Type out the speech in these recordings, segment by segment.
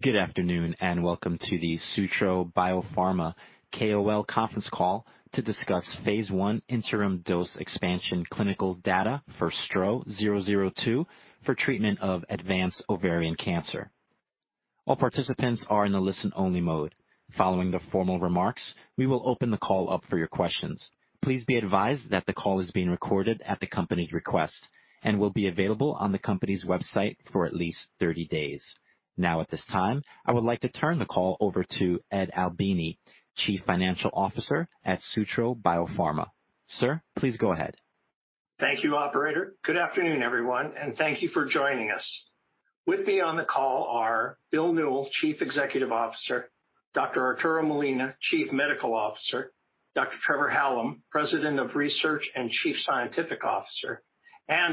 Good afternoon, and welcome to the Sutro Biopharma KOL conference call to discuss phase I interim dose expansion clinical data for STRO-002 for treatment of advanced ovarian cancer. All participants are in a listen-only mode. Following the formal remarks, we will open the call up for your questions. Please be advised that the call is being recorded at the company's request and will be available on the company's website for at least 30 days. Now, at this time, I would like to turn the call over to Ed Albini, Chief Financial Officer at Sutro Biopharma. Sir, please go ahead. Thank you, operator. Good afternoon, everyone, and thank you for joining us. With me on the call are Bill Newell, Chief Executive Officer, Dr. Arturo Molina, Chief Medical Officer, Dr. Trevor Hallam, President of Research and Chief Scientific Officer.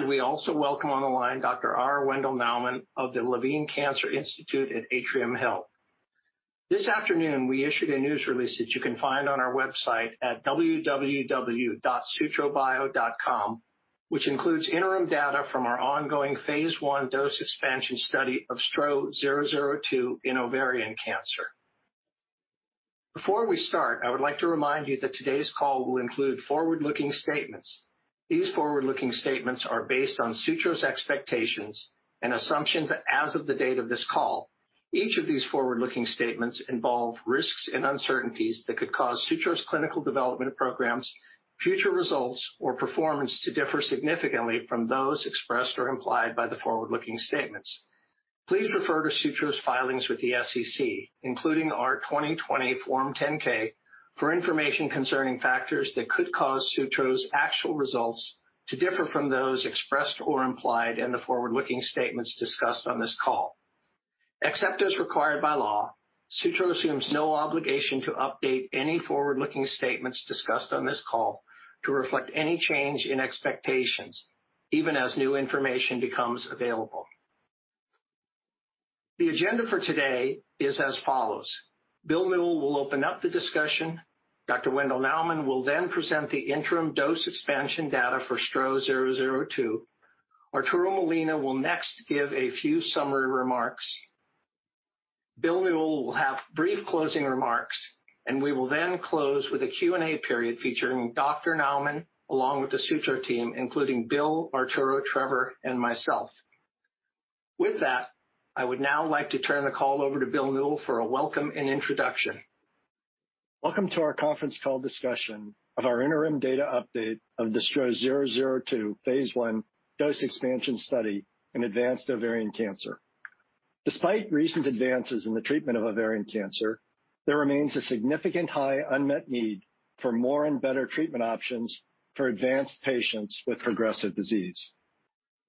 We also welcome on the line Dr. R. Wendel Naumann of the Levine Cancer Institute at Atrium Health. This afternoon we issued a news release that you can find on our website at www.sutrobio.com, which includes interim data from our ongoing phase I dose expansion study of STRO-002 in ovarian cancer. Before we start, I would like to remind you that today's call will include forward-looking statements. These forward-looking statements are based on Sutro's expectations and assumptions as of the date of this call. Each of these forward-looking statements involve risks and uncertainties that could cause Sutro's clinical development programs, future results, or performance to differ significantly from those expressed or implied by the forward-looking statements. Please refer to Sutro's filings with the SEC, including our 2020 Form 10-K, for information concerning factors that could cause Sutro's actual results to differ from those expressed or implied in the forward-looking statements discussed on this call. Except as required by law, Sutro assumes no obligation to update any forward-looking statements discussed on this call to reflect any change in expectations, even as new information becomes available. The agenda for today is as follows. Bill Newell will open up the discussion. Dr. R. Wendel Naumann will then present the interim dose expansion data for STRO-002. Arturo Molina will next give a few summary remarks. Bill Newell will have brief closing remarks, and we will then close with a Q&A period featuring Dr. Naumann, along with the Sutro team, including Bill, Arturo, Trevor, and myself. With that, I would now like to turn the call over to Bill Newell for a welcome and introduction. Welcome to our conference call discussion of our interim data update of the STRO-002 phase I dose expansion study in advanced ovarian cancer. Despite recent advances in the treatment of ovarian cancer, there remains a significant high unmet need for more and better treatment options for advanced patients with progressive disease.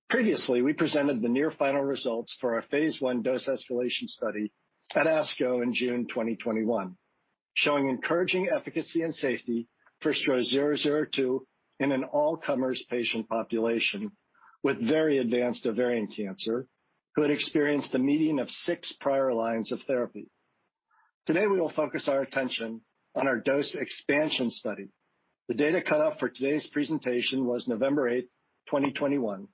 Previously, we presented the near final results for our phase I dose escalation study at ASCO in June 2021, showing encouraging efficacy and safety for STRO-002 in an all-comers patient population with very advanced ovarian cancer who had experienced a median of six prior lines of therapy. Today, we will focus our attention on our dose expansion study. The data cutoff for today's presentation was November 8th, 2021,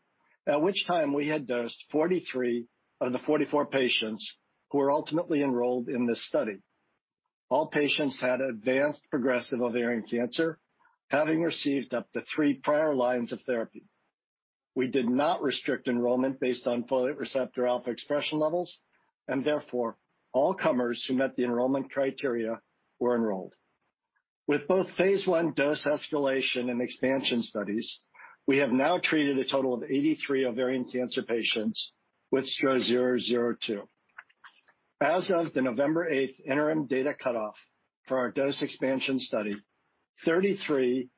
at which time we had dosed 43 of the 44 patients who were ultimately enrolled in this study. All patients had advanced progressive ovarian cancer, having received up to three prior lines of therapy. We did not restrict enrollment based on folate receptor alpha expression levels, and therefore all comers who met the enrollment criteria were enrolled. With both phase I dose escalation and expansion studies, we have now treated a total of 83 ovarian cancer patients with STRO-002. As of the November 8th interim data cutoff for our dose expansion study, 33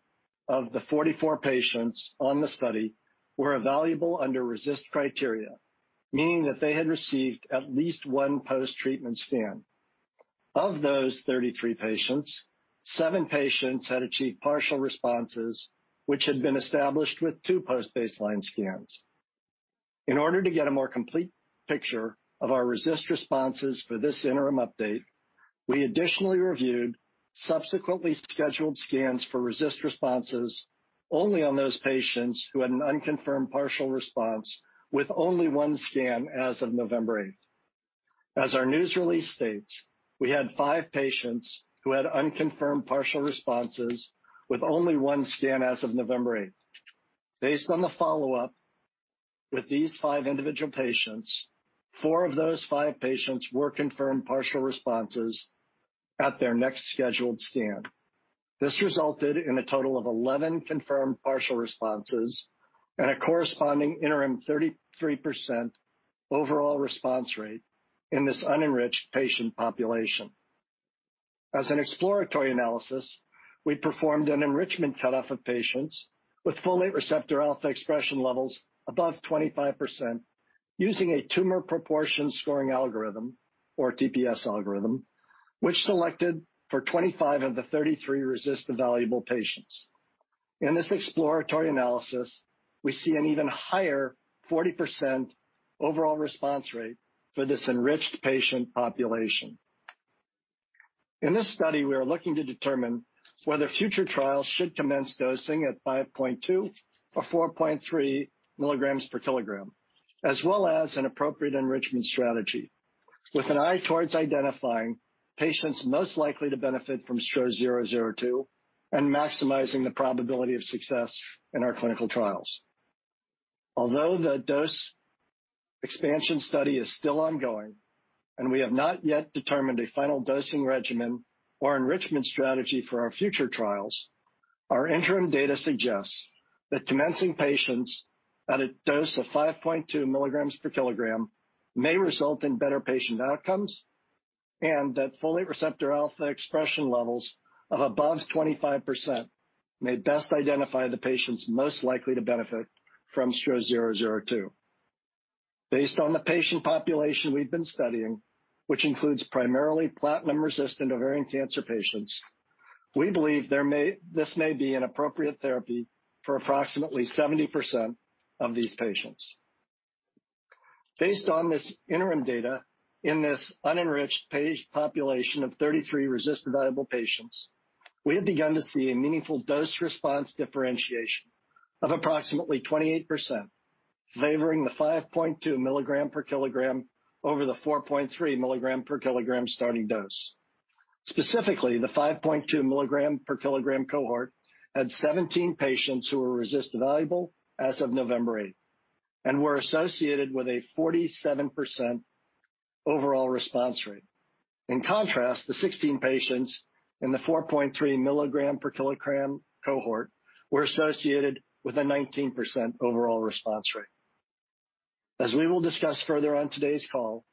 of the 44 patients on the study were evaluable under RECIST criteria, meaning that they had received at least one post-treatment scan. Of those 33 patients, seven patients had achieved partial responses which had been established with two post-baseline scans. In order to get a more complete picture of our RECIST responses for this interim update, we additionally reviewed subsequently scheduled scans for RECIST responses only on those patients who had an unconfirmed partial response with only one scan as of November 8th. As our news release states, we had five patients who had unconfirmed partial responses with only one scan as of November 8th. Based on the follow-up with these five individual patients, four of those five patients were confirmed partial responses at their next scheduled scan. This resulted in a total of 11 confirmed partial responses and a corresponding interim 33% overall response rate in this unenriched patient population. As an exploratory analysis, we performed an enrichment cutoff of patients with folate receptor alpha expression levels above 25% using a tumor proportion scoring algorithm or TPS algorithm, which selected for 25 of the 33 RECIST evaluable patients. In this exploratory analysis, we see an even higher 40% overall response rate for this enriched patient population. In this study, we are looking to determine whether future trials should commence dosing at 5.2 or 4.3 mg/kg, as well as an appropriate enrichment strategy with an eye towards identifying patients most likely to benefit from STRO-002 and maximizing the probability of success in our clinical trials. Although the dose expansion study is still ongoing and we have not yet determined a final dosing regimen or enrichment strategy for our future trials, our interim data suggests that commencing patients at a dose of 5.2 mg/kg may result in better patient outcomes, and that folate receptor alpha expression levels of above 25% may best identify the patients most likely to benefit from STRO-002. Based on the patient population we've been studying, which includes primarily platinum-resistant ovarian cancer patients, we believe this may be an appropriate therapy for approximately 70% of these patients. Based on this interim data, in this unenriched patient population of 33 RECIST-evaluable patients, we have begun to see a meaningful dose response differentiation of approximately 28% favoring the 5.2 mg/kg over the 4.3 mg/kg starting dose. Specifically, the 5.2 mg/kg cohort had 17 patients who were RECIST-evaluable as of November 8th and were associated with a 47% overall response rate. In contrast, the 16 patients in the 4.3 mg/kg cohort were associated with a 19% overall response rate. As we will discuss further on today's call,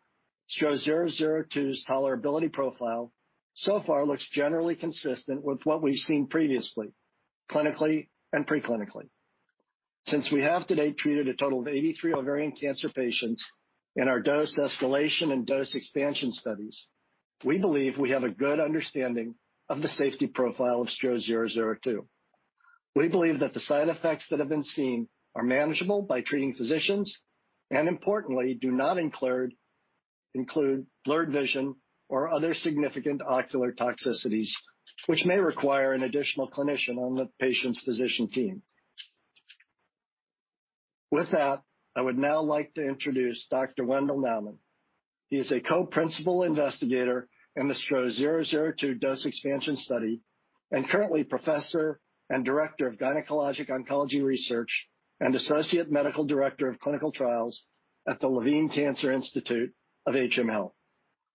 STRO-002's tolerability profile so far looks generally consistent with what we've seen previously, clinically and pre-clinically. Since we have to date treated a total of 83 ovarian cancer patients in our dose escalation and dose expansion studies, we believe we have a good understanding of the safety profile of STRO-002. We believe that the side effects that have been seen are manageable by treating physicians and importantly do not include blurred vision or other significant ocular toxicities which may require an additional clinician on the patient's physician team. With that, I would now like to introduce Dr. R. Wendel Naumann. He is a Co-principal investigator in the STRO-002 dose expansion study and currently Professor and Director of Gynecologic Oncology Research and Associate Medical Director of Clinical Trials at the Levine Cancer Institute, Atrium Health.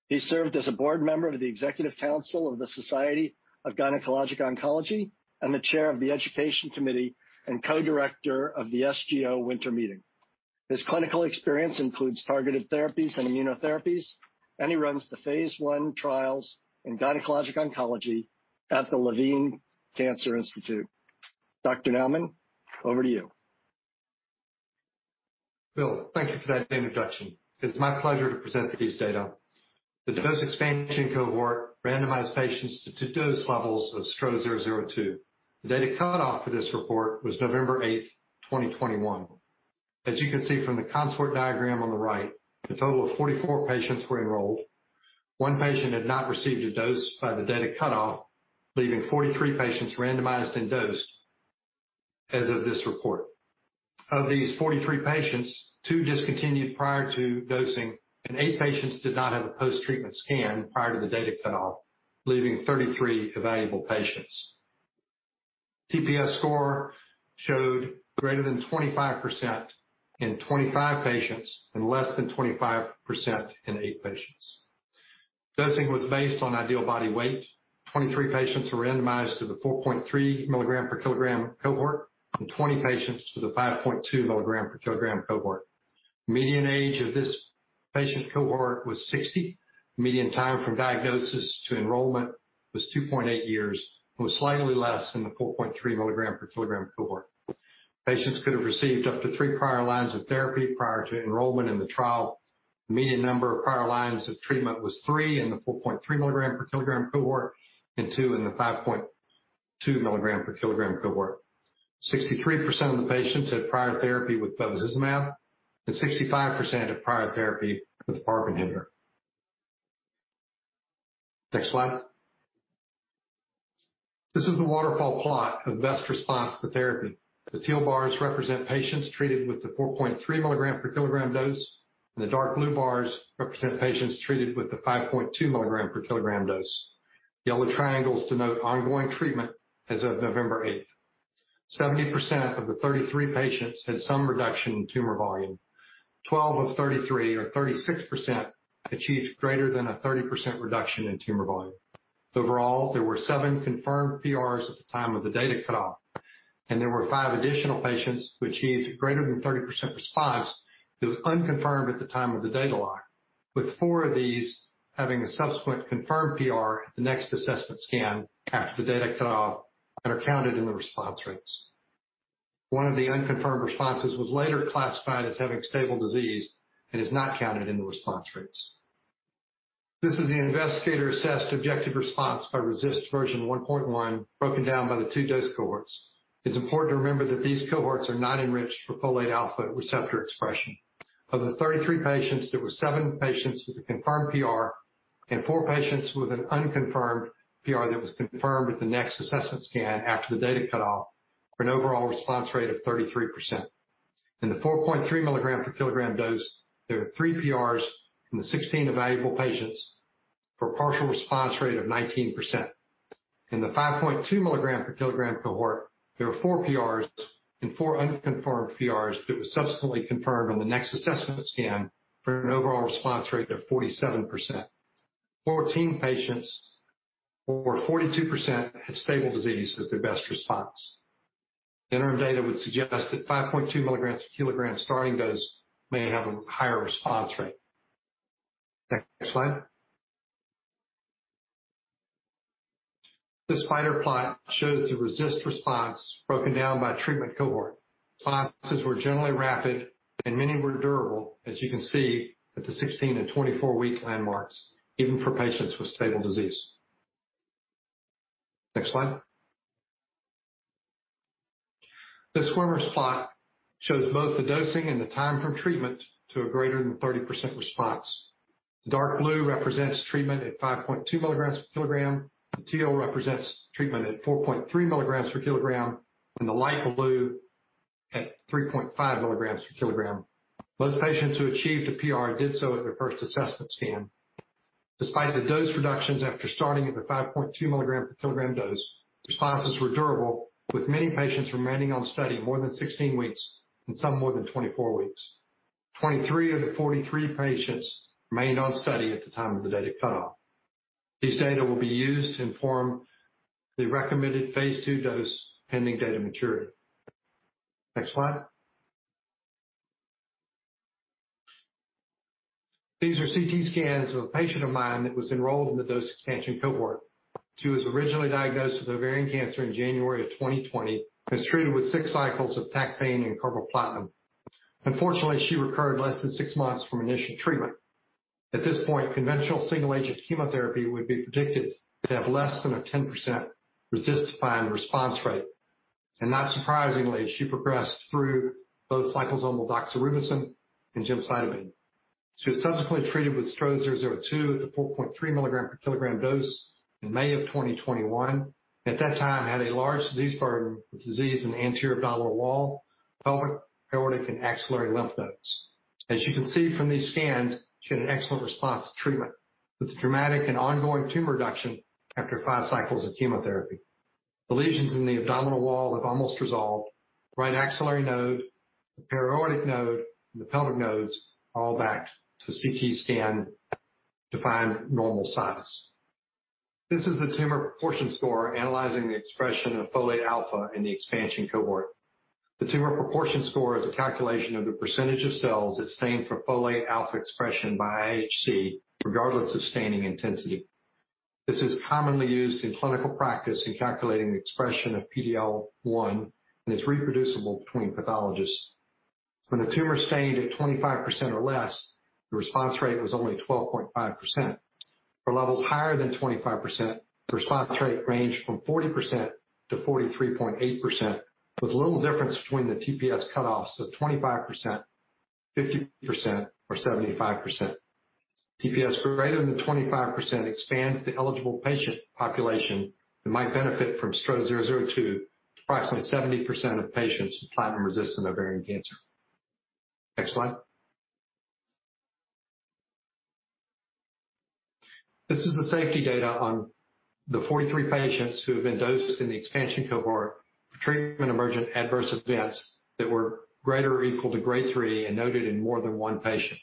He served as a board member of the Executive Council of the Society of Gynecologic Oncology and the chair of the Education Committee and Co-Director of the SGO Winter Meeting. His clinical experience includes targeted therapies and immunotherapies, and he runs the phase I trials in gynecologic oncology at the Levine Cancer Institute. Dr. Naumann, over to you. Bill, thank you for that introduction. It's my pleasure to present these data. The dose expansion cohort randomized patients to dose levels of STRO-002. The data cutoff for this report was November 8th, 2021. As you can see from the CONSORT diagram on the right, a total of 44 patients were enrolled. One patient had not received a dose by the data cutoff, leaving 43 patients randomized and dosed as of this report. Of these 43 patients, two discontinued prior to dosing, and eight patients did not have a post-treatment scan prior to the data cutoff, leaving 33 evaluable patients. TPS score showed greater than 25% in 25 patients and less than 25% in eight patients. Dosing was based on ideal body weight. 23 patients were randomized to the 4.3 mg/kg cohort and 20 patients to the 5.2 mg/kg cohort. Median age of this patient cohort was 60. Median time from diagnosis to enrollment was 2.8 years, was slightly less than the 4.3 mg/kg cohort. Patients could have received up to three prior lines of therapy prior to enrollment in the trial. The median number of prior lines of treatment was three in the 4.3 mg/kg cohort and two in the 5.2 mg/kg cohort. 63% of the patients had prior therapy with bevacizumab, and 65% had prior therapy with a PARP inhibitor. Next slide. This is the waterfall plot of best response to therapy. The teal bars represent patients treated with the 4.3 mg/kg dose, and the dark blue bars represent patients treated with the 5.2 mg/kg dose. Yellow triangles denote ongoing treatment as of November 8th. 70% of the 33 patients had some reduction in tumor volume. 12 of 33 or 36% achieved greater than a 30% reduction in tumor volume. Overall, there were seven confirmed PRs at the time of the data cutoff, and there were five additional patients who achieved greater than 30% response who was unconfirmed at the time of the data lock, with four of these having a subsequent confirmed PR at the next assessment scan after the data cutoff and are counted in the response rates. One of the unconfirmed responses was later classified as having stable disease and is not counted in the response rates. This is the investigator-assessed objective response by RECIST 1.1 broken down by the two dose cohorts. It's important to remember that these cohorts are not enriched for folate receptor alpha expression. Of the 33 patients, there were seven patients with a confirmed PR and four patients with an unconfirmed PR that was confirmed with the next assessment scan after the data cut-off for an overall response rate of 33%. In the 4.3 mg/kg dose, there were three PRs in the 16 evaluable patients for a partial response rate of 19%. In the 5.2 mg/kg cohort, there were four PRs and four unconfirmed PRs that were subsequently confirmed on the next assessment scan for an overall response rate of 47%. 14 patients or 42% had stable disease as their best response. Interim data would suggest that 5.2 mg/kg starting dose may have a higher response rate. Next slide. This spider plot shows the RECIST response broken down by treatment cohort. Responses were generally rapid and many were durable, as you can see at the 16 and 24 week landmarks, even for patients with stable disease. Next slide. The swimmer plot shows both the dosing and the time from treatment to a greater than 30% response. The dark blue represents treatment at 5.2 mg/kg, the teal represents treatment at 4.3 mg/kg, and the light blue at 3.5 mg/kg. Most patients who achieved a PR did so at their first assessment scan. Despite the dose reductions after starting at the 5.2 mg/kg dose, responses were durable, with many patients remaining on study more than 16 weeks and some more than 24 weeks. 23 of the 43 patients remained on study at the time of the data cut-off. These data will be used to inform the recommended phase II dose pending data maturity. Next slide. These are CT scans of a patient of mine that was enrolled in the dose expansion cohort. She was originally diagnosed with ovarian cancer in January 2020 and was treated with six cycles of taxane and carboplatin. Unfortunately, she recurred less than six months from initial treatment. At this point, conventional single agent chemotherapy would be predicted to have less than a 10% RECIST-defined response rate. Not surprisingly, she progressed through both liposomal doxorubicin and gemcitabine. She was subsequently treated with STRO-002 at the 4.3 mg/kg dose in May of 2021. At that time, she had a large disease burden with disease in the anterior abdominal wall, pelvic, para-aortic, and axillary lymph nodes. As you can see from these scans, she had an excellent response to treatment with dramatic and ongoing tumor reduction after five cycles of chemotherapy. The lesions in the abdominal wall have almost resolved. Right axillary node, the para-aortic node, and the pelvic nodes all back to CT scan-defined normal size. This is the tumor proportion score analyzing the expression of folate alpha in the expansion cohort. The tumor proportion score is a calculation of the percentage of cells that stained for folate alpha expression by IHC, regardless of staining intensity. This is commonly used in clinical practice in calculating the expression of PD-L1, and is reproducible between pathologists. When the tumor stained at 25% or less, the response rate was only 12.5%. For levels higher than 25%, the response rate ranged from 40% to 43.8%, with little difference between the TPS cut-offs of 25%, 50%, or 75%. TPS for greater than 25% expands the eligible patient population that might benefit from STRO-002 to approximately 70% of patients with platinum-resistant ovarian cancer. Next slide. This is the safety data on the 43 patients who have been dosed in the expansion cohort for treatment emergent adverse events that were greater or equal to grade three and noted in more than one patient.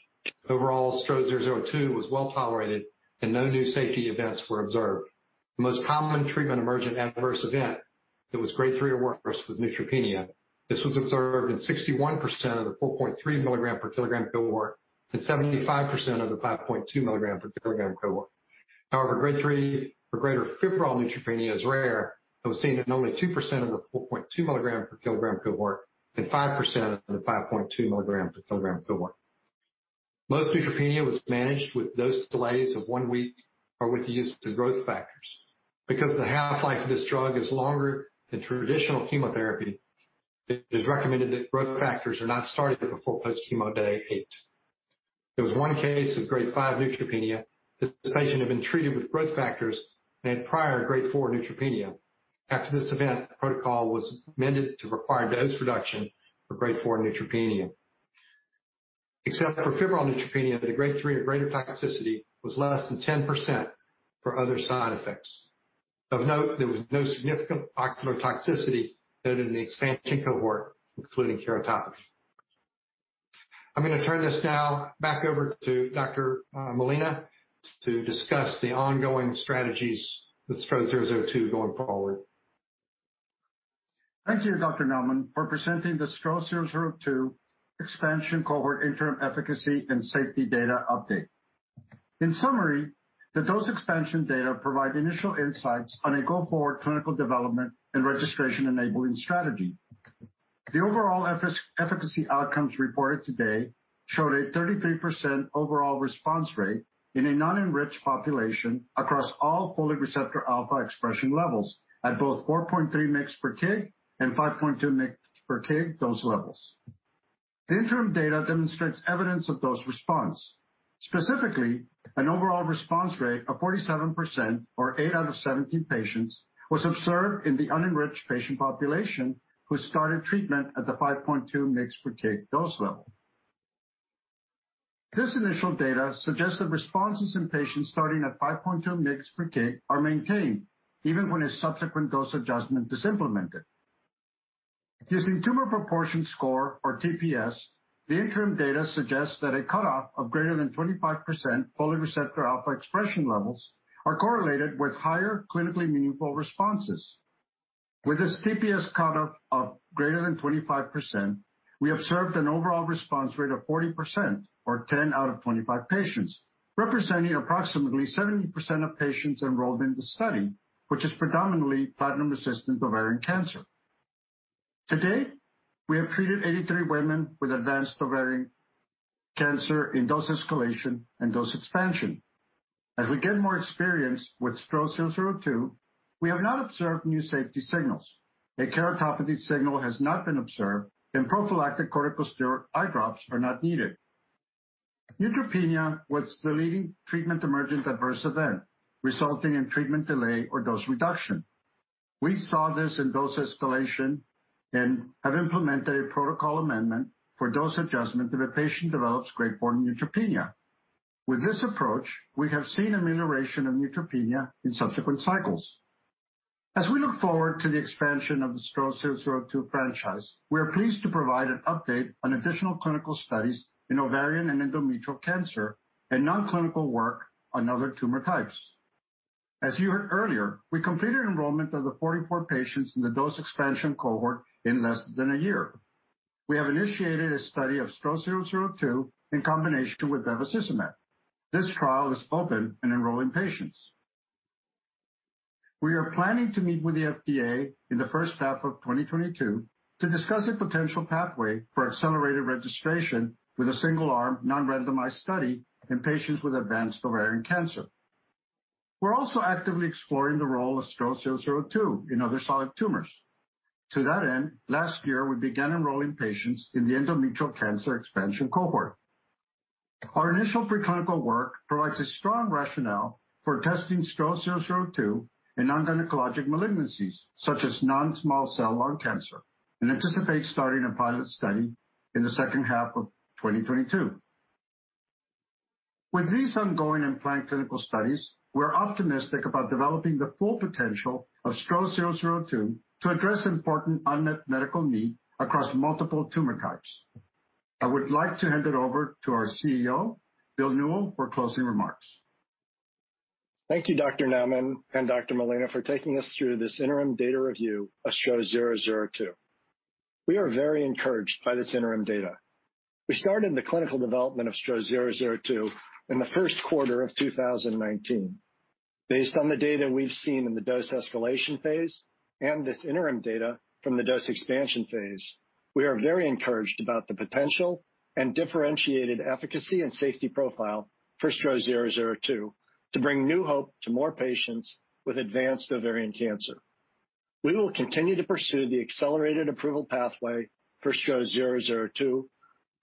Overall, STRO-002 was well-tolerated and no new safety events were observed. The most common treatment emergent adverse event that was grade three or worse was neutropenia. This was observed in 61% of the 4.3 mg/kg cohort and 75% of the 5.2 mg/kg cohort. However, Grade 3 or greater febrile neutropenia is rare and was seen in only 2% of the 4.2 mg/kg cohort and 5% of the 5.2 mg/kg cohort. Most neutropenia was managed with dose delays of one week or with the use of growth factors. Because the half-life of this drug is longer than traditional chemotherapy, it is recommended that growth factors are not started before post-chemo day eight. There was one case Grade 5 neutropenia that this patient had been treated with growth factors and had Grade 4 neutropenia. After this event, the protocol was amended to require dose reduction Grade 4 neutropenia. Except for febrile neutropenia, the grade three or greater toxicity was less than 10% for other side effects. Of note, there was no significant ocular toxicity noted in the expansion cohort, including keratopathy. I'm going to turn this now back over to Dr. Arturo Molina to discuss the ongoing strategies with STRO-002 going forward. Thank you, Dr. Naumann, for presenting the STRO-002 expansion cohort interim efficacy and safety data update. In summary, the dose expansion data provide initial insights on a go-forward clinical development and registration enabling strategy. The overall efficacy outcomes reported today showed a 33% overall response rate in a non-enriched population across all folate receptor alpha expression levels at both 4.3 mg/kg and 5.2 mg/kg dose levels. The interim data demonstrates evidence of dose response. Specifically, an overall response rate of 47% or 8 out of 17 patients was observed in the unenriched patient population who started treatment at the 5.2 mg/kg dose level. This initial data suggests that responses in patients starting at 5.2 mg/kg are maintained even when a subsequent dose adjustment is implemented. Using Tumor Proportion Score, or TPS, the interim data suggests that a cutoff of greater than 25% folate receptor alpha expression levels are correlated with higher clinically meaningful responses. With this TPS cutoff of greater than 25%, we observed an overall response rate of 40% or 10 out of 25 patients, representing approximately 70% of patients enrolled in the study, which is predominantly platinum-resistant ovarian cancer. To date, we have treated 83 women with advanced ovarian cancer in dose escalation and dose expansion. As we get more experience with STRO-002, we have not observed new safety signals. A keratopathy signal has not been observed, and prophylactic corticosteroid eye drops are not needed. Neutropenia was the leading treatment emergent adverse event, resulting in treatment delay or dose reduction. We saw this in dose escalation and have implemented a protocol amendment for dose adjustment if a patient Grade 4 neutropenia. With this approach, we have seen amelioration of neutropenia in subsequent cycles. As we look forward to the expansion of the STRO-002 franchise, we are pleased to provide an update on additional clinical studies in ovarian and endometrial cancer and non-clinical work on other tumor types. As you heard earlier, we completed enrollment of the 44 patients in the dose expansion cohort in less than a year. We have initiated a study of STRO-002 in combination with bevacizumab. This trial is open and enrolling patients. We are planning to meet with the FDA in the first half of 2022 to discuss a potential pathway for accelerated registration with a single-arm non-randomized study in patients with advanced ovarian cancer. We're also actively exploring the role of STRO-002 in other solid tumors. To that end, last year, we began enrolling patients in the endometrial cancer expansion cohort. Our initial preclinical work provides a strong rationale for testing STRO-002 in non-gynecologic malignancies such as non-small cell lung cancer, and anticipate starting a pilot study in the second half of 2022. With these ongoing and planned clinical studies, we're optimistic about developing the full potential of STRO-002 to address important unmet medical need across multiple tumor types. I would like to hand it over to our CEO, Bill Newell, for closing remarks. Thank you, Dr. Naumann and Dr. Molina, for taking us through this interim data review of STRO-002. We are very encouraged by this interim data. We started the clinical development of STRO-002 in the first quarter of 2019. Based on the data we've seen in the dose escalation phase and this interim data from the dose expansion phase, we are very encouraged about the potential and differentiated efficacy and safety profile for STRO-002 to bring new hope to more patients with advanced ovarian cancer. We will continue to pursue the accelerated approval pathway for STRO-002,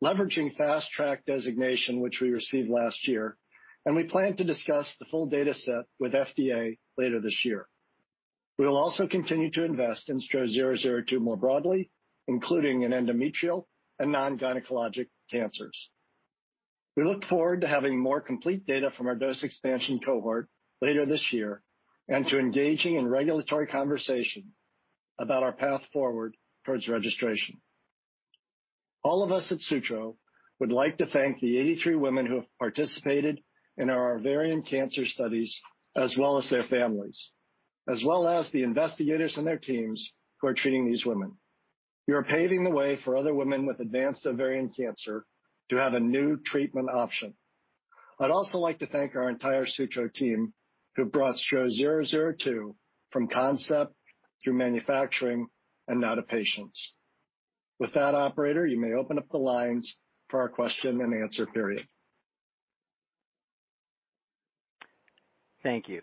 leveraging Fast Track designation which we received last year, and we plan to discuss the full data set with FDA later this year. We will also continue to invest in STRO-002 more broadly, including in endometrial and non-gynecologic cancers. We look forward to having more complete data from our dose expansion cohort later this year and to engaging in regulatory conversation about our path forward towards registration. All of us at Sutro would like to thank the 83 women who have participated in our ovarian cancer studies as well as their families, as well as the investigators and their teams who are treating these women. You are paving the way for other women with advanced ovarian cancer to have a new treatment option. I'd also like to thank our entire Sutro team, who brought STRO-002 from concept through manufacturing and now to patients. With that, operator, you may open up the lines for our question-and-answer period. Thank you.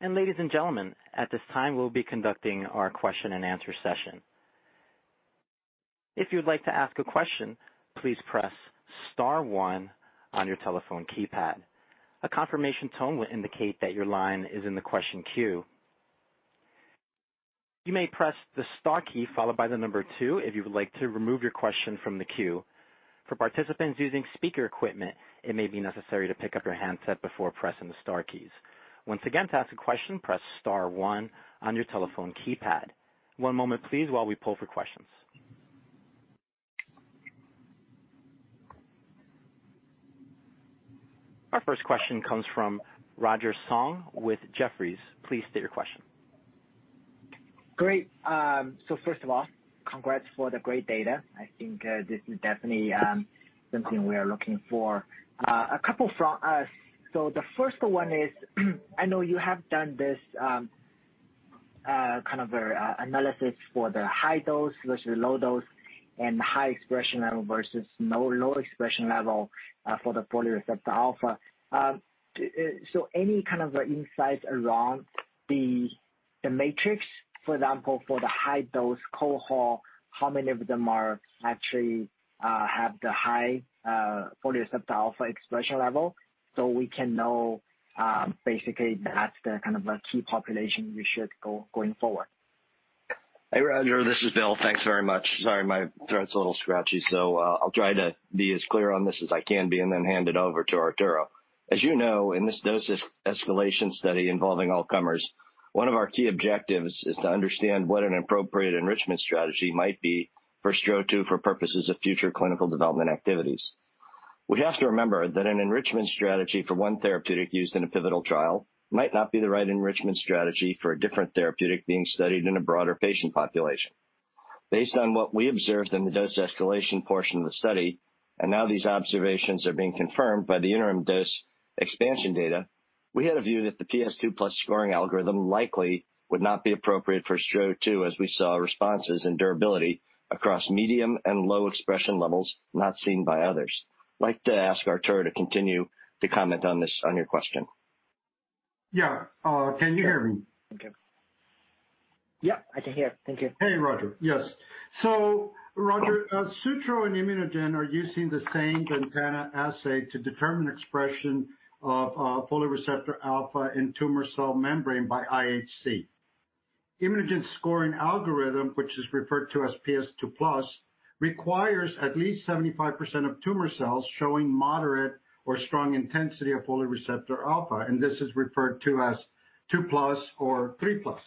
Ladies and gentlemen, at this time, we'll be conducting our question-and-answer session. If you'd like to ask a question, please press star one on your telephone keypad. A confirmation tone will indicate that your line is in the question queue. You may press the star key followed by the number two if you would like to remove your question from the queue. For participants using speaker equipment, it may be necessary to pick up your handset before pressing the star keys. Once again, to ask a question, press star one on your telephone keypad. One moment please while we poll for questions. Our first question comes from Roger Song with Jefferies. Please state your question. Great. First of all, congrats for the great data. I think, this is definitely, something we are looking for. A couple from us. The first one is, I know you have done this, kind of a, analysis for the high dose versus low dose. High expression level versus low expression level for the folate receptor alpha. Any kind of insight around the matrix, for example, for the high-dose cohort, how many of them actually have the high folate receptor alpha expression level so we can know, basically, that's the kind of key population we should going forward. Hey, Roger, this is Bill. Thanks very much. Sorry, my throat's a little scratchy, so I'll try to be as clear on this as I can be and then hand it over to Arturo. As you know, in this dose escalation study involving all comers, one of our key objectives is to understand what an appropriate enrichment strategy might be for STRO-002 for purposes of future clinical development activities. We have to remember that an enrichment strategy for one therapeutic used in a pivotal trial might not be the right enrichment strategy for a different therapeutic being studied in a broader patient population. Based on what we observed in the dose escalation portion of the study, and now these observations are being confirmed by the interim dose expansion data, we had a view that the PS2+ scoring algorithm likely would not be appropriate for STRO-002 as we saw responses and durability across medium and low expression levels not seen by others. I'd like to ask Arturo to continue to comment on this, on your question. Yeah. Can you hear me? Okay. Yep, I can hear. Thank you. Hey, Roger. Yes. Roger, Sutro and ImmunoGen are using the same VENTANA assay to determine expression of folate receptor alpha in tumor cell membrane by IHC. ImmunoGen's scoring algorithm, which is referred to as PS2+, requires at least 75% of tumor cells showing moderate or strong intensity of folate receptor alpha, and this is referred to as 2+ or 3+.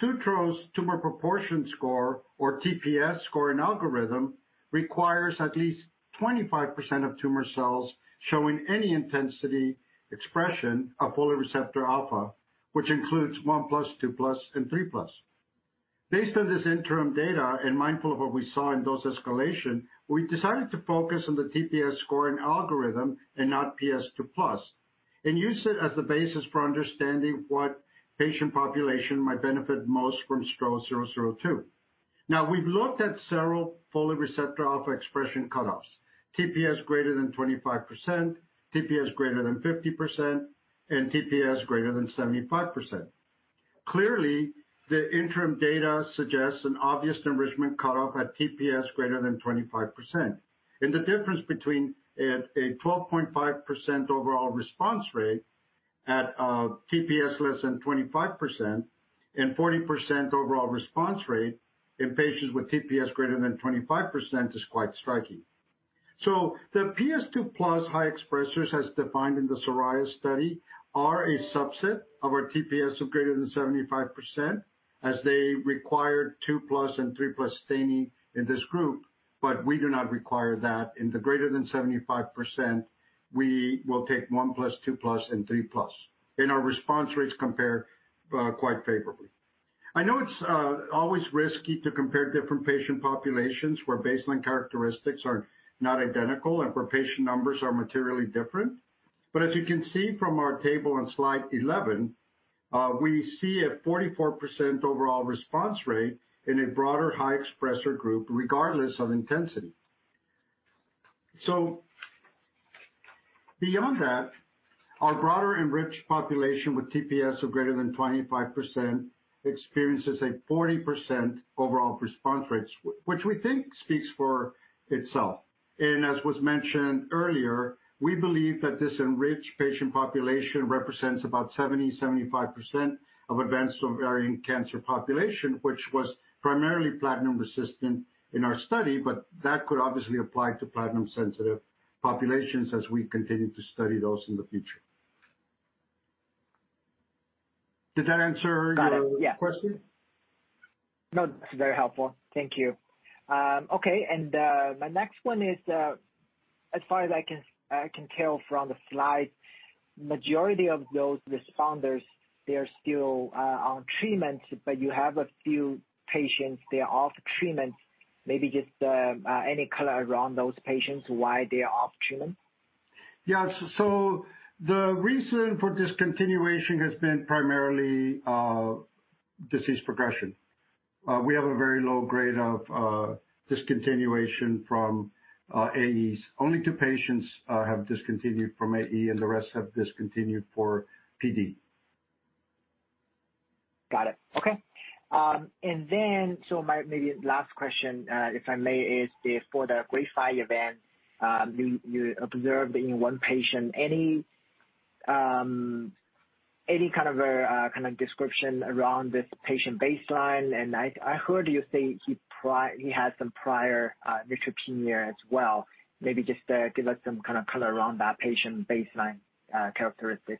Sutro's tumor proportion score, or TPS scoring algorithm, requires at least 25% of tumor cells showing any intensity expression of folate receptor alpha, which includes 1+, 2+, and 3+. Based on this interim data, and mindful of what we saw in dose escalation, we decided to focus on the TPS scoring algorithm and not PS2+, and use it as the basis for understanding what patient population might benefit most from STRO-002. Now, we've looked at several folate receptor alpha expression cut-offs, TPS greater than 25%, TPS greater than 50%, and TPS greater than 75%. Clearly, the interim data suggests an obvious enrichment cut-off at TPS greater than 25%. The difference between a 12.5% overall response rate at TPS less than 25% and 40% overall response rate in patients with TPS greater than 25% is quite striking. The 2+ high expressors as defined in the SORAYA study are a subset of our TPS of greater than 75%, as they required 2+ and 3+ staining in this group, but we do not require that. In the greater than 75%, we will take 1+, 2+, and 3+. Our response rates compare quite favorably. I know it's always risky to compare different patient populations where baseline characteristics are not identical and where patient numbers are materially different. As you can see from our table on slide 11, we see a 44% overall response rate in a broader high expressor group, regardless of intensity. Beyond that, our broader enriched population with TPS of greater than 25% experiences a 40% overall response rates, which we think speaks for itself. As was mentioned earlier, we believe that this enriched patient population represents about 70%-75% of advanced ovarian cancer population, which was primarily platinum resistant in our study, but that could obviously apply to platinum-sensitive populations as we continue to study those in the future. Did that answer your- Got it. Question? No, it's very helpful. Thank you. Okay, my next one is, as far as I can tell from the slides, majority of those responders, they are still on treatment, but you have a few patients, they are off treatment. Maybe just any color around those patients, why they are off treatment? The reason for discontinuation has been primarily disease progression. We have a very low grade of discontinuation from AEs. Only two patients have discontinued from AE, and the rest have discontinued for PD. Got it. Okay. My maybe last question, if I may, is if for Grade 5 event, you observed in one patient any kind of description around this patient baseline. I heard you say he had some prior neutropenia as well. Maybe just give us some kind of color around that patient baseline characteristic.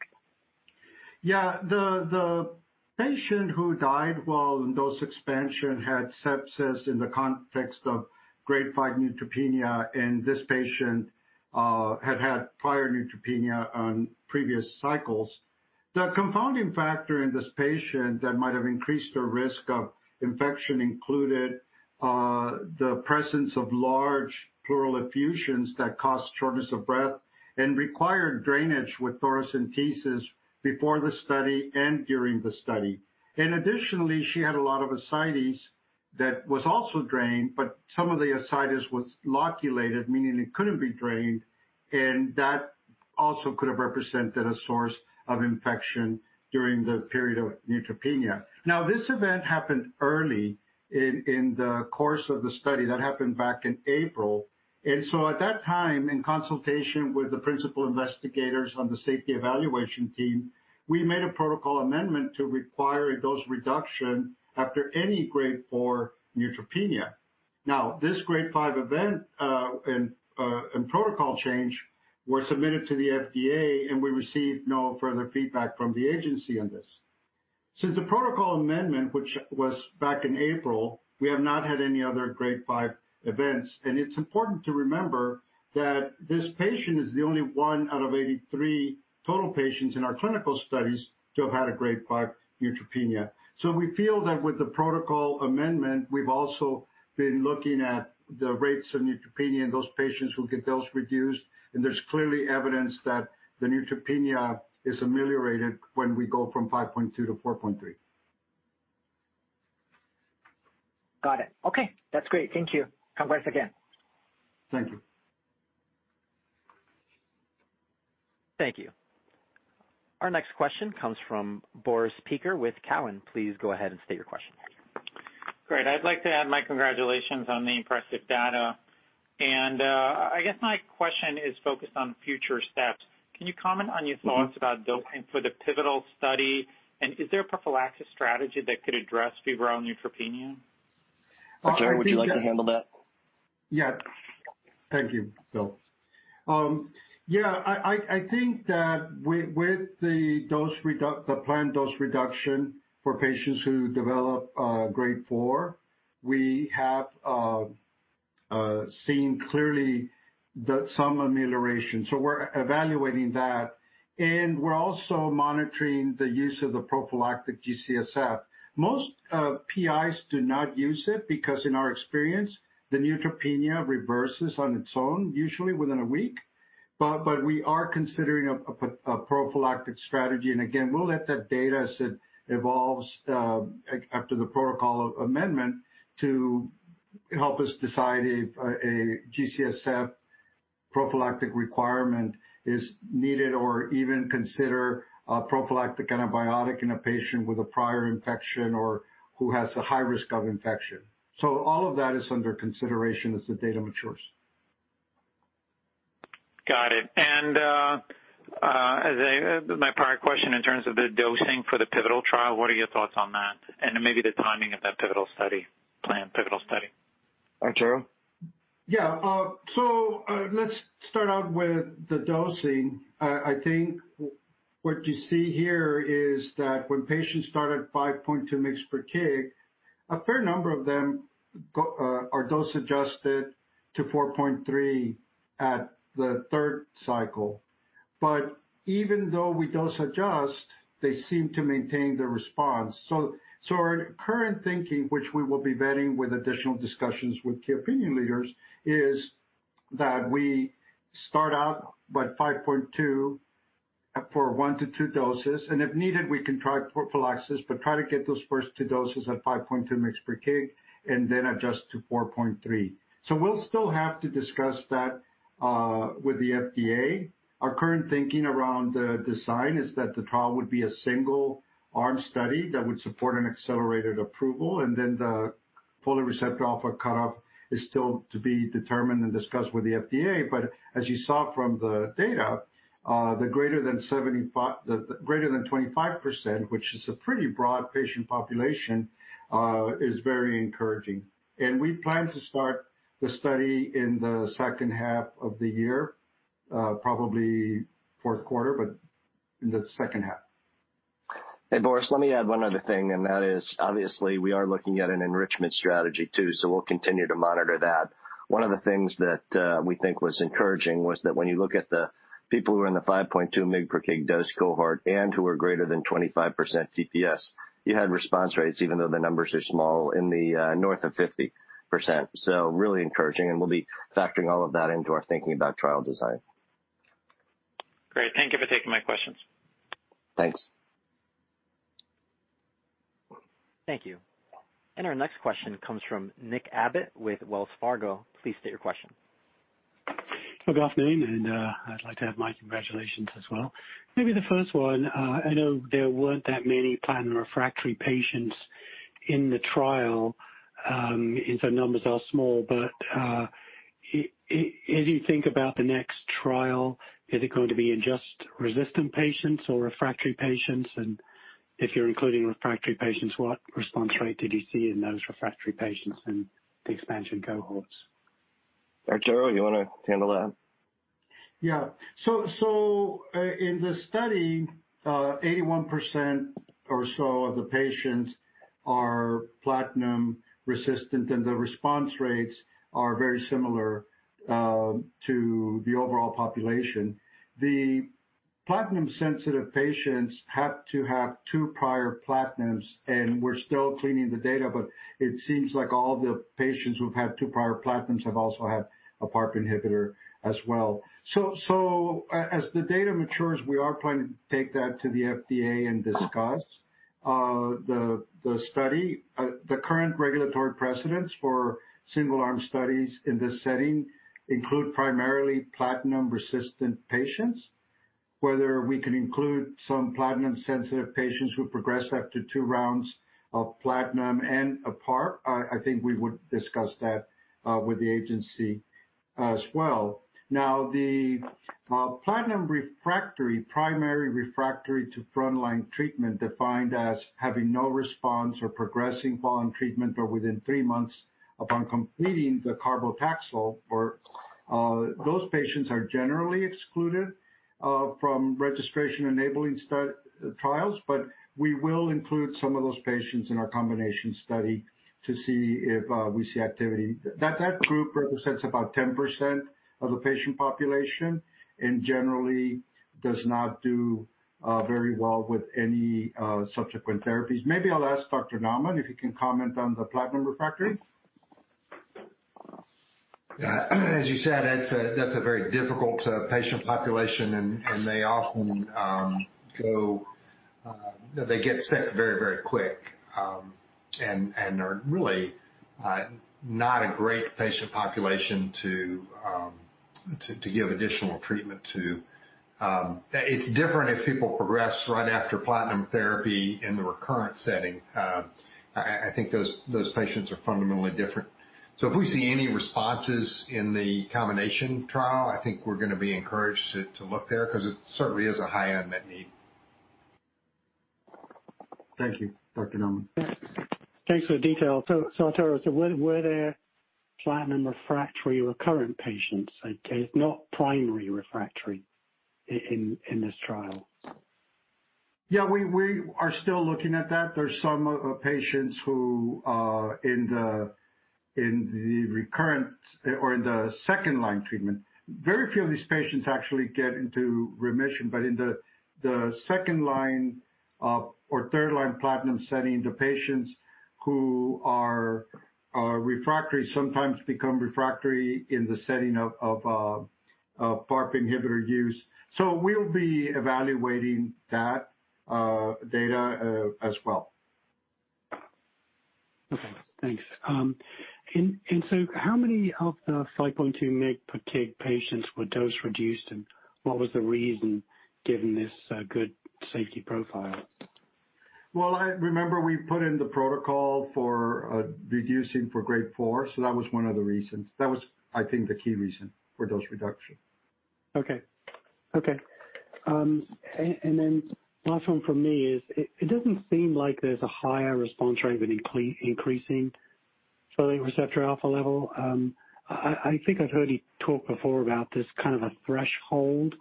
Yeah. The patient who died while in dose expansion had sepsis in the context of Grade 5 neutropenia, and this patient had had prior neutropenia on previous cycles. The confounding factor in this patient that might have increased her risk of infection included the presence of large pleural effusions that caused shortness of breath and required drainage with thoracentesis before the study and during the study. Additionally, she had a lot of ascites that was also drained, but some of the ascites was loculated, meaning it couldn't be drained, and that also could have represented a source of infection during the period of neutropenia. Now, this event happened early in the course of the study. That happened back in April. At that time, in consultation with the principal investigators on the safety evaluation team, we made a protocol amendment to require a dose reduction after any Grade 4 neutropenia. Now, this Grade 5 event and protocol change were submitted to the FDA, and we received no further feedback from the agency on this. Since the protocol amendment, which was back in April, we have not had any other Grade 5 events. It's important to remember that this patient is the only one out of 83 total patients in our clinical studies to have had a Grade 5 neutropenia. We feel that with the protocol amendment, we've also been looking at the rates of neutropenia in those patients who get those reduced, and there's clearly evidence that the neutropenia is ameliorated when we go from 5.2 to 4.3. Got it. Okay. That's great. Thank you. Congrats again. Thank you. Thank you. Our next question comes from Boris Peaker with Cowen. Please go ahead and state your question. Great. I'd like to add my congratulations on the impressive data. I guess my question is focused on future steps. Can you comment on your thoughts about dosing for the pivotal study, and is there a prophylactic strategy that could address febrile neutropenia? I think that Arturo, would you like to handle that? Yeah. Thank you, Bill. I think that with the planned dose reduction for patients who Grade 4, we have seen clearly that some amelioration. We're evaluating that, and we're also monitoring the use of the prophylactic GCSF. Most PIs do not use it because in our experience, the neutropenia reverses on its own, usually within a week, but we are considering a prophylactic strategy. We'll let that data, as it evolves, after the protocol amendment to help us decide if a GCSF prophylactic requirement is needed or even consider a prophylactic antibiotic in a patient with a prior infection or who has a high risk of infection. All of that is under consideration as the data matures. Got it. My prior question in terms of the dosing for the pivotal trial, what are your thoughts on that and maybe the timing of that planned pivotal study? Arturo? Yeah. Let's start out with the dosing. I think what you see here is that when patients start at 5.2 mg/kg, a fair number of them are dose-adjusted to 4.3mg/kg at the third cycle. Even though we dose adjust, they seem to maintain the response. Our current thinking, which we will be vetting with additional discussions with key opinion leaders, is that we start out with 5.2 mg/kg for one to two doses, and if needed, we can try prophylaxis, but try to get those first two doses at 5.2 mg/kg and then adjust to 4.3mg/kg. We'll still have to discuss that with the FDA. Our current thinking around the design is that the trial would be a single-arm study that would support an accelerated approval, and then the folate receptor alpha cutoff is still to be determined and discussed with the FDA. As you saw from the data, the greater than 25%, which is a pretty broad patient population, is very encouraging. We plan to start the study in the second half of the year, probably fourth quarter, but in the second half. Boris, let me add one other thing, and that is obviously we are looking at an enrichment strategy too, so we'll continue to monitor that. One of the things that we think was encouraging was that when you look at the people who are in the 5.2 mg/kg dose cohort and who are greater than 25% TPS, you had response rates, even though the numbers are small in the north of 50%. So really encouraging, and we'll be factoring all of that into our thinking about trial design. Great. Thank you for taking my questions. Thanks. Thank you. Our next question comes from Nick Abbott with Wells Fargo. Please state your question. Well, good afternoon, and I'd like to add my congratulations as well. Maybe the first one, I know there weren't that many platinum-refractory patients in the trial, and so numbers are small. If you think about the next trial, is it going to be in just resistant patients or refractory patients? And if you're including refractory patients, what response rate did you see in those refractory patients in the expansion cohorts? Arturo, you wanna handle that? In the study, 81% or so of the patients are platinum-resistant, and the response rates are very similar to the overall population. The platinum-sensitive patients have to have two prior platinums, and we're still cleaning the data, but it seems like all the patients who've had two prior platinums have also had a PARP inhibitor as well. As the data matures, we are planning to take that to the FDA and discuss. The current regulatory precedents for single-arm studies in this setting include primarily platinum-resistant patients. Whether we can include some platinum-sensitive patients who progress after two rounds of platinum and a PARP, I think we would discuss that with the agency as well. Now, the platinum refractory, primary refractory to frontline treatment defined as having no response or progressing while on treatment or within three months upon completing the carboplatin, those patients are generally excluded from registration-enabling trials. We will include some of those patients in our combination study to see if we see activity. That group represents about 10% of the patient population and generally does not do very well with any subsequent therapies. Maybe I'll ask Dr. Naumann if he can comment on the platinum refractory. Yeah. As you said, that's a very difficult patient population and they often get sick very quick and are really not a great patient population to give additional treatment to. It's different if people progress right after platinum therapy in the recurrent setting. I think those patients are fundamentally different. If we see any responses in the combination trial, I think we're gonna be encouraged to look there because it certainly is a high unmet need. Thank you, Dr. Naumann. Thanks for the detail. Arturo, were there platinum refractory recurrent patients, okay, not primary refractory in this trial? Yeah. We are still looking at that. There's some patients who are in the recurrent or second-line treatment. Very few of these patients actually get into remission. In the second line or third line platinum setting, the patients who are refractory sometimes become refractory in the setting of PARP inhibitor use. We'll be evaluating that data as well. Okay, thanks. How many of the 5.2 mg/kg patients were dose reduced, and what was the reason given this good safety profile? Well, I remember we put in the protocol for reducing Grade 4, so that was one of the reasons. That was, I think, the key reason for dose reduction. Last one from me is it doesn't seem like there's a higher response rate with increasing folate receptor alpha level. I think I've heard you talk before about this kind of a threshold.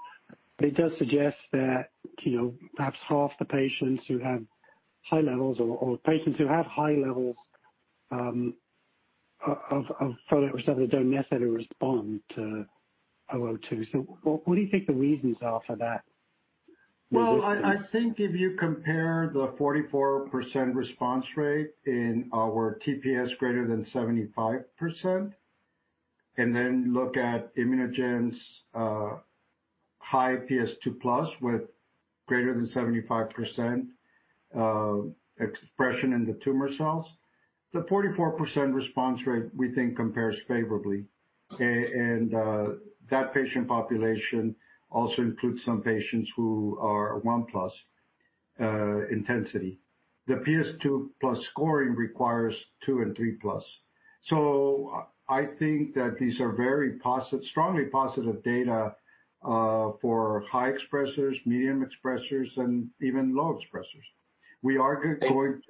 It does suggest that, you know, perhaps half the patients who have high levels of folate receptor don't necessarily respond to STRO-002. What do you think the reasons are for that resistance? Well, I think if you compare the 44% response rate in our TPS greater than 75% and then look at ImmunoGen's high PS2+ with greater than 75% expression in the tumor cells, the 44% response rate, we think, compares favorably. Okay. That patient population also includes some patients who are 1+ intensity. The PS2+ scoring requires 2+ and 3+. So I think that these are very strongly positive data for high expressers, medium expressers, and even low expressers. We are going- Thank-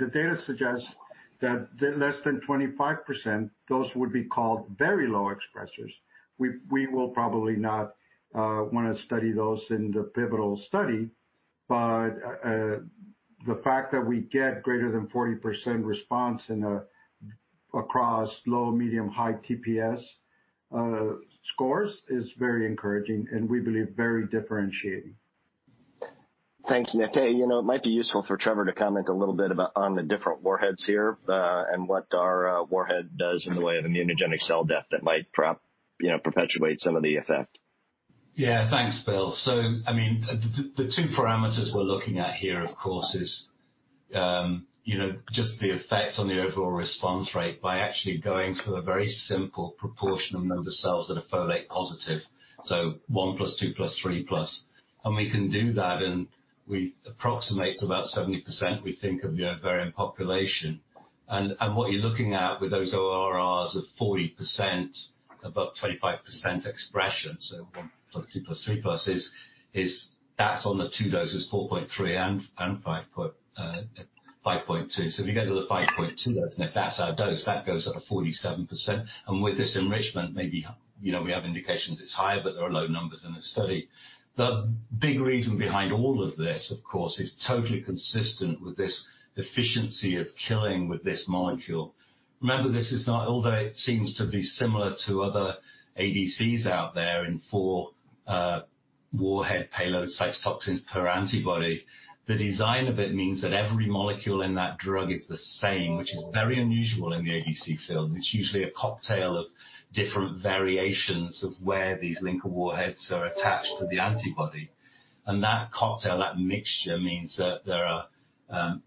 The data suggests that the less than 25%, those would be called very low expressers. We will probably not wanna study those in the pivotal study. The fact that we get greater than 40% response across low, medium, high TPS scores is very encouraging and we believe very differentiating. Thanks, Nick. Hey, you know, it might be useful for Trevor to comment a little bit about on the different warheads here, and what our warhead does in the way of immunogenic cell death that might, you know, perpetuate some of the effect. Yeah. Thanks, Bill. I mean, the two parameters we're looking at here, of course, is just the effect on the overall response rate by actually going for a very simple proportion of number of cells that are folate-positive, so 1+, 2+, 3+. We can do that and we approximate about 70% we think of the ovarian population. What you're looking at with those ORRs of 40% above 25% expression, so 1+, 2+, 3+ is that's on the two doses, 4.3 and 5.2. If you go to the 5.2 dose, and if that's our dose, that goes up to 47%. With this enrichment, maybe we have indications it's higher, but there are low numbers in the study. The big reason behind all of this, of course, is totally consistent with this efficiency of killing with this molecule. Remember, this is not although it seems to be similar to other ADCs out there in four warhead payload-sized toxins per antibody. The design of it means that every molecule in that drug is the same, which is very unusual in the ADC field. It's usually a cocktail of different variations of where these linker warheads are attached to the antibody. That cocktail, that mixture means that there are,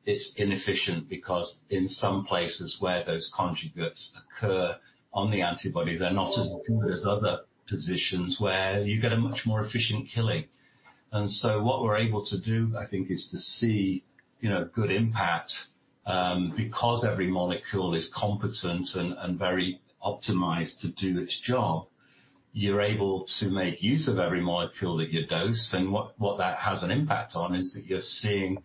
it's inefficient because in some places where those conjugates occur on the antibody, they're not as good as other positions where you get a much more efficient killing. What we're able to do, I think, is to see, you know, good impact, because every molecule is competent and very optimized to do its job, you're able to make use of every molecule that you dose. What that has an impact on is that you're seeing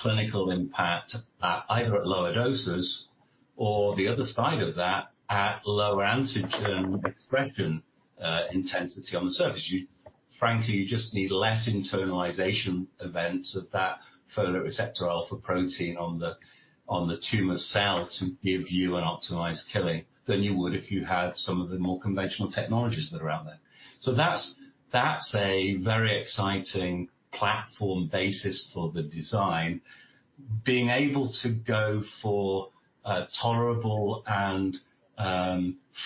clinical impact at either lower doses or the other side of that at lower antigen expression intensity on the surface. Frankly, you just need less internalization events of that folate receptor alpha protein on the tumor cell to give you an optimized killing than you would if you had some of the more conventional technologies that are out there. That's a very exciting platform basis for the design. Being able to go for a tolerable and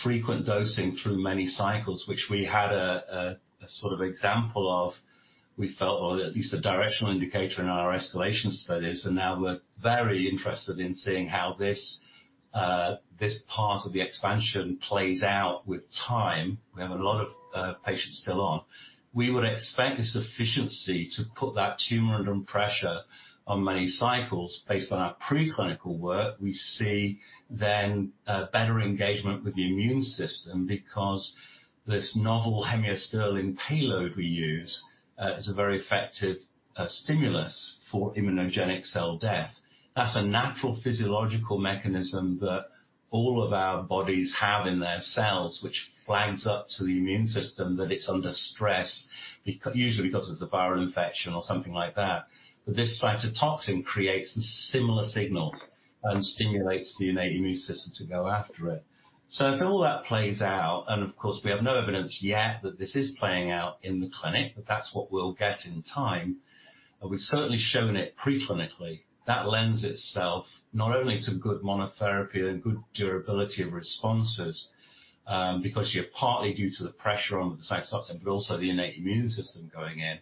frequent dosing through many cycles, which we had a sort of example of we felt or at least a directional indicator in our escalation studies, and now we're very interested in seeing how this part of the expansion plays out with time. We have a lot of patients still on. We would expect this efficiency to put that tumor under pressure on many cycles based on our preclinical work. We see then a better engagement with the immune system because this novel hemiasterlin payload we use is a very effective stimulus for immunogenic cell death. That's a natural physiological mechanism that all of our bodies have in their cells, which flags up to the immune system that it's under stress usually because of a viral infection or something like that. This cytotoxin creates similar signals and stimulates the innate immune system to go after it. If all that plays out, and of course, we have no evidence yet that this is playing out in the clinic, but that's what we'll get in time. We've certainly shown it preclinically. That lends itself not only to good monotherapy and good durability of responses, because you're partly due to the pressure on the cytotoxin, but also the innate immune system going in.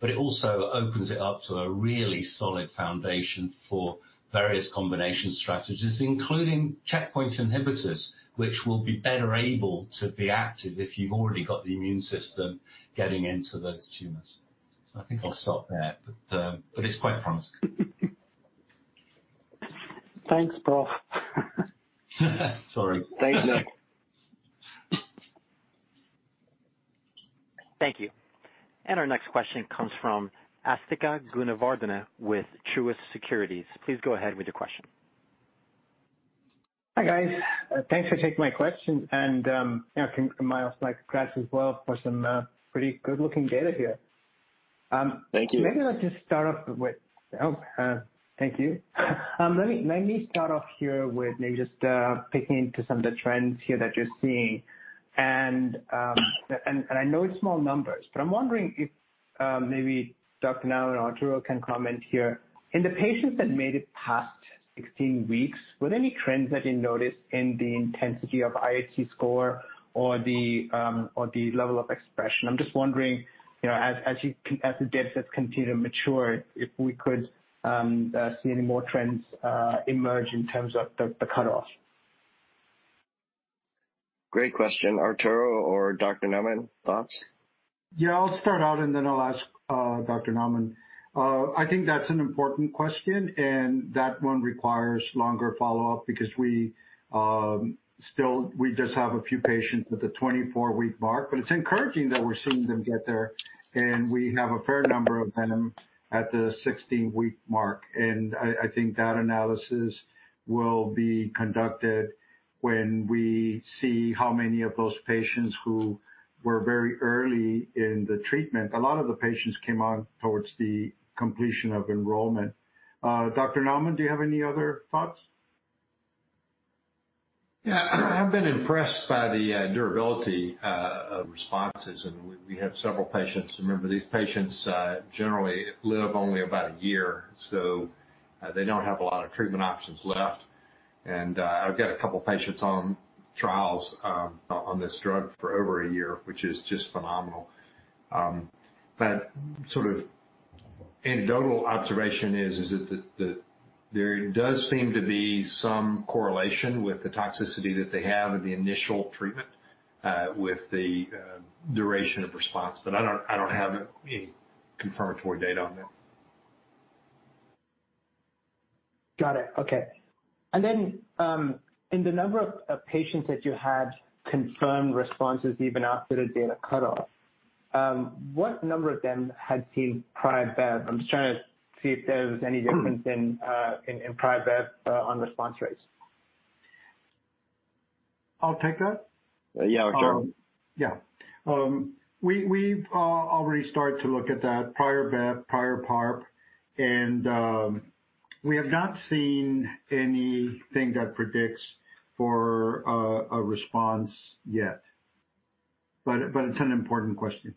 It also opens it up to a really solid foundation for various combination strategies, including checkpoint inhibitors, which will be better able to be active if you've already got the immune system getting into those tumors. I think I'll stop there. It's quite promising. Thanks, Paul. Sorry. Thanks, Nick. Thank you. Our next question comes from Asthika Goonewardene with Truist Securities. Please go ahead with your question. Hi, guys. Thanks for taking my question. You know, my congrats as well for some pretty good looking data here. Thank you. Let me start off here with maybe just picking into some of the trends here that you're seeing. I know it's small numbers, but I'm wondering if maybe Dr. Naumann or Arturo can comment here. In the patients that made it past 16 weeks, were there any trends that you noticed in the intensity of IHC score or the level of expression? I'm just wondering, you know, as the datasets continue to mature, if we could see any more trends emerge in terms of the cutoff. Great question. Arturo or Dr. Naumann, thoughts? Yeah, I'll start out, and then I'll ask Dr. Naumann. I think that's an important question, and that one requires longer follow-up because we still just have a few patients at the 24-week mark, but it's encouraging that we're seeing them get there, and we have a fair number of them at the 16-week mark. I think that analysis will be conducted when we see how many of those patients who were very early in the treatment. A lot of the patients came on towards the completion of enrollment. Dr. Naumann, do you have any other thoughts? Yeah. I've been impressed by the durability of responses, and we have several patients. Remember, these patients generally live only about a year, so they don't have a lot of treatment options left. I've got a couple patients on trials on this drug for over a year, which is just phenomenal. Sort of anecdotal observation is that there does seem to be some correlation with the toxicity that they have in the initial treatment with the duration of response. I don't have any confirmatory data on that. Got it. Okay. In the number of patients that you had confirmed responses even after the data cutoff, what number of them had seen prior BEP? I'm just trying to see if there was any difference in prior BEP on response rates. I'll take that. Yeah, Arturo. Yeah. We've already started to look at that prior BEP, prior PARP, and we have not seen anything that predicts for a response yet, but it's an important question.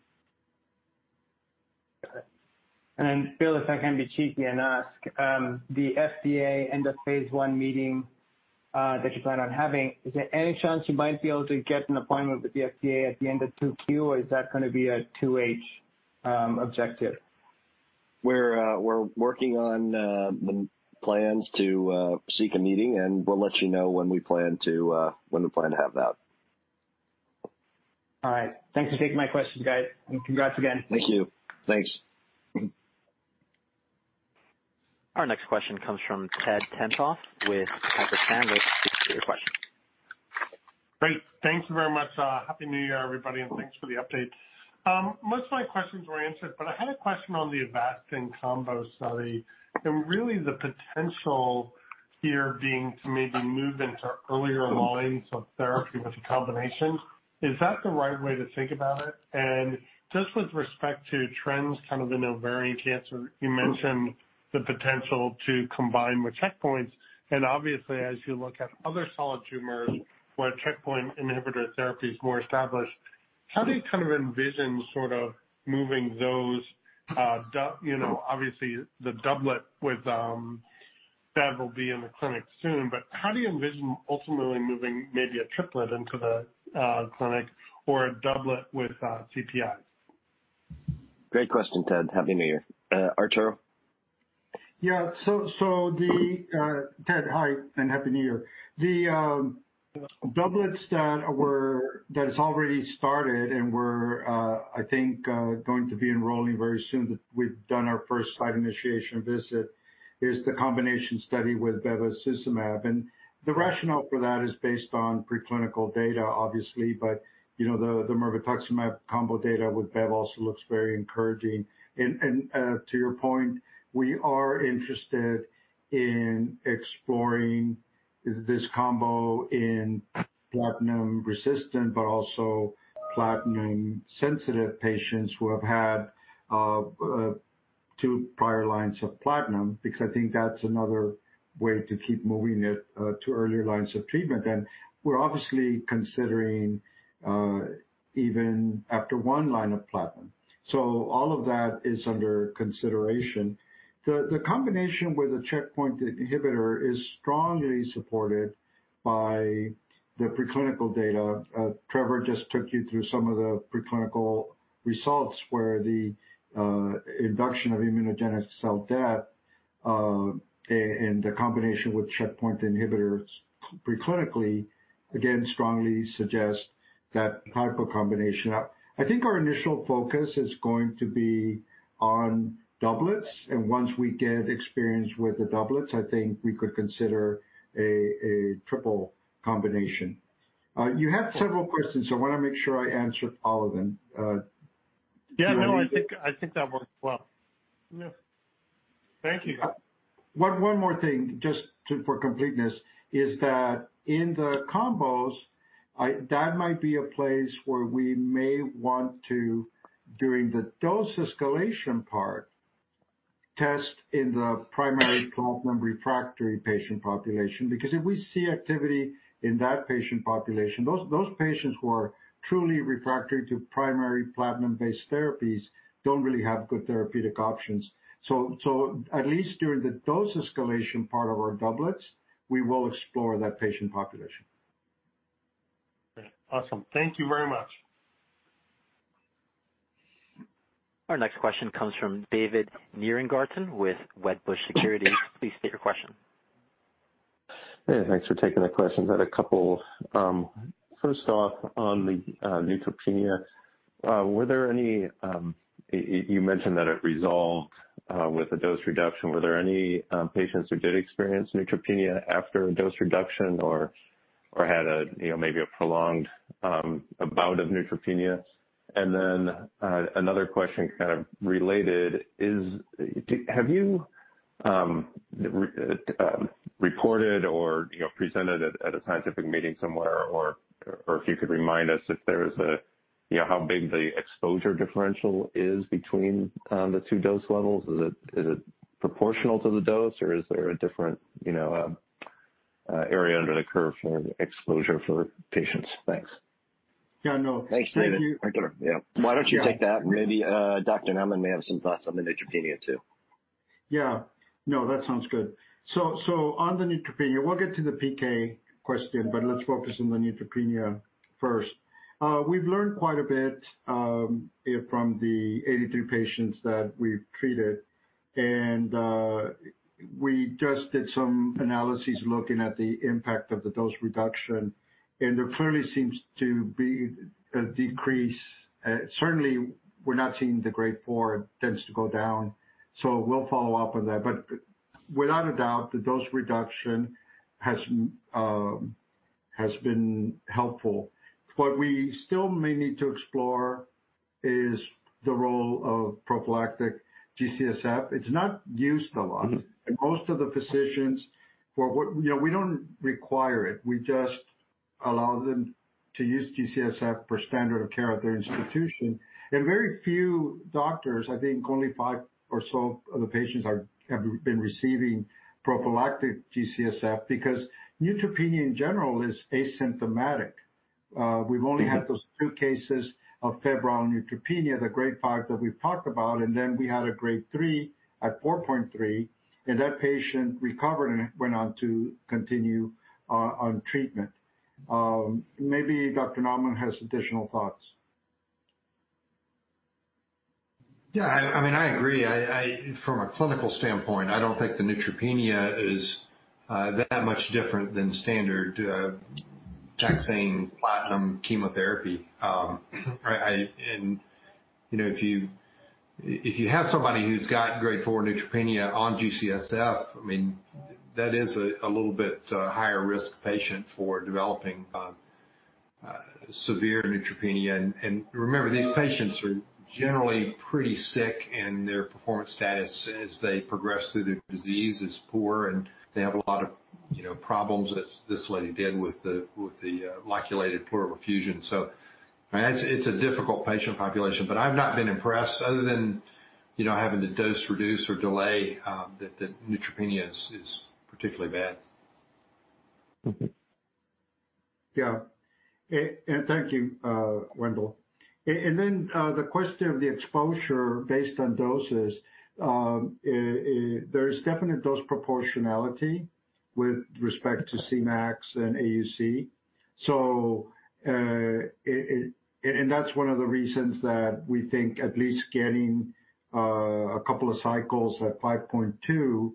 Got it. Bill, if I can be cheeky and ask, the FDA end of phase I meeting that you plan on having, is there any chance you might be able to get an appointment with the FDA at the end of 2Q, or is that gonna be a 2H objective? We're working on the plans to seek a meeting, and we'll let you know when we plan to have that. All right. Thanks for taking my questions, guys, and congrats again. Thank you. Thanks. Our next question comes from Ted Tenthoff with Piper Sandler. State your question. Great. Thank you very much. Happy New Year, everybody, and thanks for the update. Most of my questions were answered, but I had a question on the Avastin combo study and really the potential here being to maybe move into earlier lines of therapy with the combination. Is that the right way to think about it? Just with respect to trends, kind of in ovarian cancer, you mentioned the potential to combine with checkpoints. Obviously, as you look at other solid tumors where checkpoint inhibitor therapy is more established, how do you kind of envision sort of moving those, you know, obviously the doublet with, Bev will be in the clinic soon, but how do you envision ultimately moving maybe a triplet into the, clinic or a doublet with, CPI? Great question, Ted. Happy New Year. Arturo? Yeah. So, Ted, hi, and Happy New Year. The doublets. That's already started and we're I think going to be enrolling very soon. We've done our first site initiation visit is the combination study with bevacizumab. The rationale for that is based on preclinical data, obviously. You know, the mirvetuximab combo data with Bev also looks very encouraging. To your point, we are interested in exploring this combo in platinum-resistant but also platinum-sensitive patients who have had two prior lines of platinum, because I think that's another way to keep moving it to earlier lines of treatment. We're obviously considering even after one line of platinum. All of that is under consideration. The combination with a checkpoint inhibitor is strongly supported by the preclinical data. Trevor just took you through some of the preclinical results, where the induction of immunogenic cell death and the combination with checkpoint inhibitors preclinically again strongly suggest that type of combination. I think our initial focus is going to be on doublets. Once we get experience with the doublets, I think we could consider a triple combination. You had several questions, so I wanna make sure I answered all of them. Yeah, no, I think that works well. Yeah. Thank you. One more thing, just to for completeness, is that in the combos, that might be a place where we may want to, during the dose escalation part, test in the primary platinum refractory patient population. Because if we see activity in that patient population, those patients who are truly refractory to primary platinum-based therapies don't really have good therapeutic options. So at least during the dose escalation part of our doublets, we will explore that patient population. Awesome. Thank you very much. Our next question comes from David Nierengarten with Wedbush Securities. Please state your question. Hey, thanks for taking the questions. I had a couple. First off, on the neutropenia, were there any, you mentioned that it resolved with a dose reduction. Were there any patients who did experience neutropenia after a dose reduction or had a, you know, maybe a prolonged bout of neutropenia? Another question kind of related is, have you reported or, you know, presented at a scientific meeting somewhere or if you could remind us if there is a, you know, how big the exposure differential is between the two dose levels? Is it proportional to the dose, or is there a different, you know, area under the curve for exposure for patients? Thanks. Yeah, no. Thanks, David. Arturo, yeah. Why don't you take that? Maybe, Dr. Naumann may have some thoughts on the neutropenia too. Yeah. No, that sounds good. On the neutropenia, we'll get to the PK question, but let's focus on the neutropenia first. We've learned quite a bit from the 83 patients that we've treated, and we just did some analyses looking at the impact of the dose reduction, and there clearly seems to be a decrease. Certainly, we're not seeing the Grade 4. It tends to go down, so we'll follow up on that. Without a doubt, the dose reduction has been helpful. What we still may need to explore is the role of prophylactic GCSF. It's not used a lot. Most of the physicians, you know, we don't require it. We just allow them to use GCSF per standard of care at their institution. Very few doctors, I think only five or so of the patients have been receiving prophylactic GCSF because neutropenia in general is asymptomatic. We've only had those two cases of febrile neutropenia, the Grade 5 that we've talked about, and then we had a Grade 3 at 4.3 mg/kg, and that patient recovered and went on to continue on treatment. Maybe Dr. Naumann has additional thoughts. Yeah, I mean, I agree. From a clinical standpoint, I don't think the neutropenia is that much different than standard taxane platinum chemotherapy. You know, if you have somebody who's got Grade 4 neutropenia on GCSF, I mean, that is a little bit higher risk patient for developing severe neutropenia. Remember, these patients are generally pretty sick, and their performance status as they progress through the disease is poor, and they have a lot of problems as this lady did with the loculated pleural effusion. I guess it's a difficult patient population, but I've not been impressed other than having to dose reduce or delay, the neutropenia is particularly bad. Yeah. Thank you, Wendel. Then, the question of the exposure based on doses, there is definite dose proportionality with respect to Cmax and AUC. That's one of the reasons that we think at least getting a couple of cycles at 5.2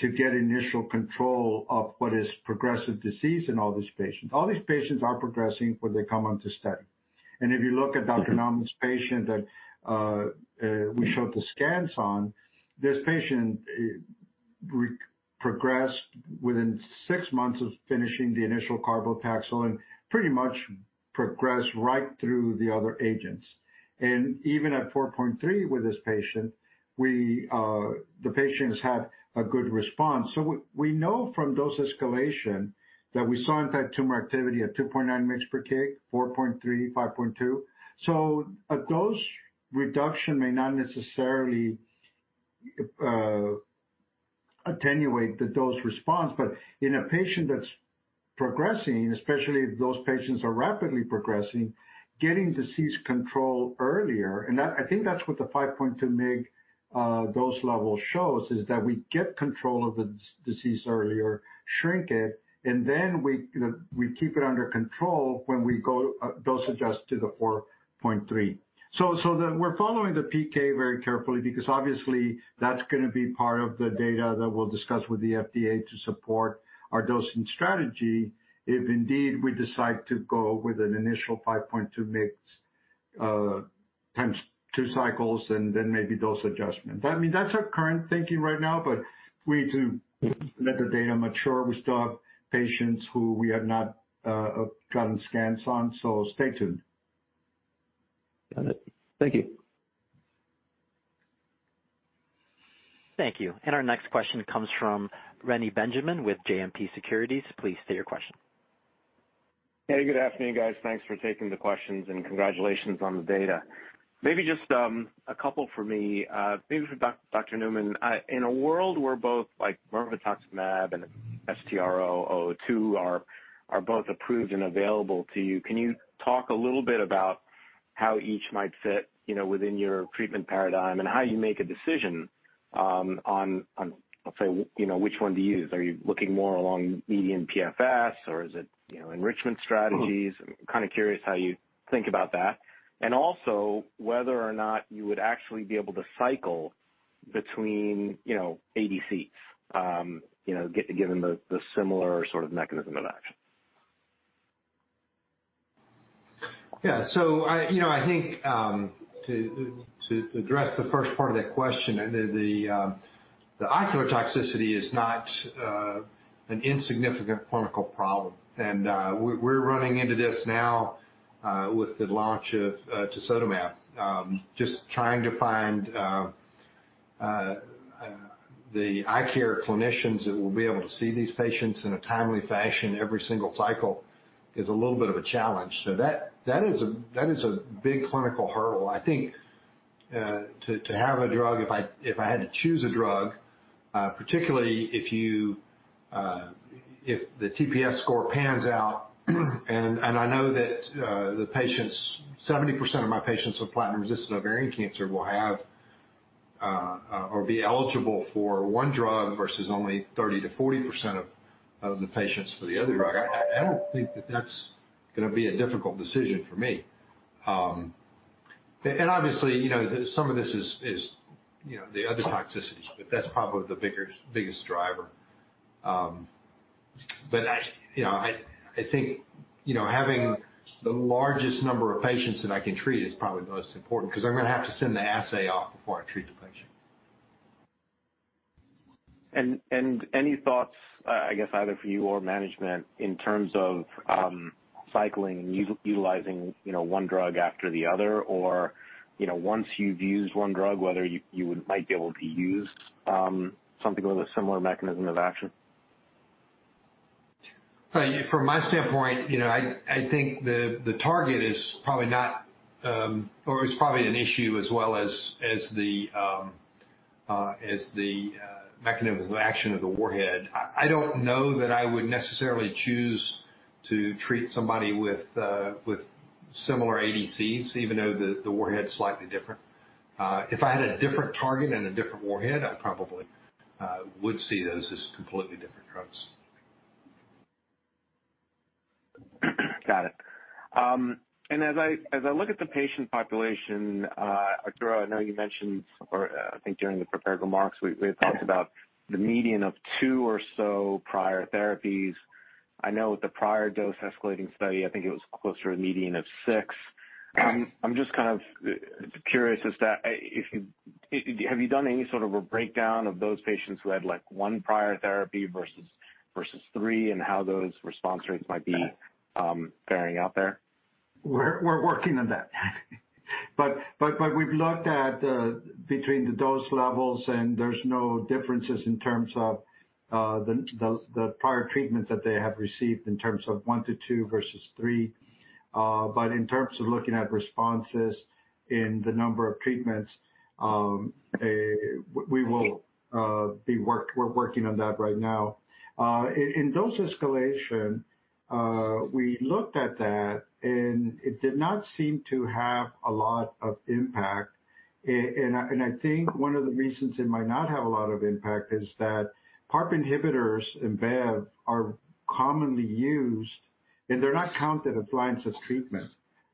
to get initial control of what is progressive disease in all these patients. All these patients are progressing when they come onto study. If you look at Dr. Naumann's patient that we showed the scans on, this patient progressed within six months of finishing the initial carboplatin and pretty much progressed right through the other agents. Even at 4.3 with this patient, we, the patients had a good response. We know from dose escalation that we saw antitumor activity at 2.9 mg/kg, 4.3, 5.2. A dose reduction may not necessarily attenuate the dose response, but in a patient that's progressing, especially if those patients are rapidly progressing, getting disease control earlier. I think that's what the 5.2 mg dose level shows, is that we get control of the disease earlier, shrink it, and then you know, we keep it under control when we go dose adjust to the 4.3 mg. We're following the PK very carefully because obviously that's gonna be part of the data that we'll discuss with the FDA to support our dosing strategy if indeed we decide to go with an initial 5.2 mg times two cycles and then maybe dose adjustment. I mean, that's our current thinking right now, but we need to let the data mature. We still have patients who we have not gotten scans on, so stay tuned. Got it. Thank you. Thank you. Our next question comes from Reni Benjamin with JMP Securities. Please state your question. Hey, good afternoon, guys. Thanks for taking the questions and congratulations on the data. Maybe just a couple for me, maybe for Dr. Naumann. In a world where both like mirvetuximab and STRO-002 are both approved and available to you, can you talk a little bit about how each might fit, you know, within your treatment paradigm and how you make a decision on, let's say, you know, which one to use? Are you looking more along median PFS or is it, you know, enrichment strategies? I'm kind of curious how you think about that. Also whether or not you would actually be able to cycle between, you know, ADC, you know, given the similar sort of mechanism of action. Yeah. I, you know, I think to address the first part of that question, the ocular toxicity is not an insignificant clinical problem. We're running into this now with the launch of tisotumab vedotin. Just trying to find the eye care clinicians that will be able to see these patients in a timely fashion every single cycle is a little bit of a challenge. That is a big clinical hurdle. I think to have a drug, if I had to choose a drug, particularly if the TPS score pans out, and I know that the patients, 70% of my patients with platinum-resistant ovarian cancer will have or be eligible for one drug versus only 30%-40% of the patients for the other drug. I don't think that that's gonna be a difficult decision for me. Obviously, you know, some of this is, you know, the other toxicities, but that's probably the biggest driver. I think, you know, having the largest number of patients that I can treat is probably the most important because I'm gonna have to send the assay off before I treat the patient. Any thoughts, I guess either for you or management in terms of cycling and utilizing, you know, one drug after the other or, you know, once you've used one drug, whether you might be able to use something with a similar mechanism of action? From my standpoint, you know, I think the target is probably not or is probably an issue as well as the mechanism of action of the warhead. I don't know that I would necessarily choose to treat somebody with similar ADCs, even though the warhead is slightly different. If I had a different target and a different warhead, I probably would see those as completely different drugs. Got it. And as I look at the patient population, Arturo, I know you mentioned or I think during the prepared remarks, we had talked about the median of two or so prior therapies. I know with the prior dose escalating study, I think it was closer to a median of six. I'm just kind of curious as to if you have done any sort of a breakdown of those patients who had, like, one prior therapy versus three and how those response rates might be panning out there? We're working on that. We've looked at between the dose levels, and there's no differences in terms of the prior treatments that they have received in terms of 1 to 2 versus 3. In terms of looking at responses in the number of treatments, we're working on that right now. In dose escalation, we looked at that, and it did not seem to have a lot of impact. I think one of the reasons it might not have a lot of impact is that PARP inhibitors and Bev are commonly used, and they're not counted as lines of treatment,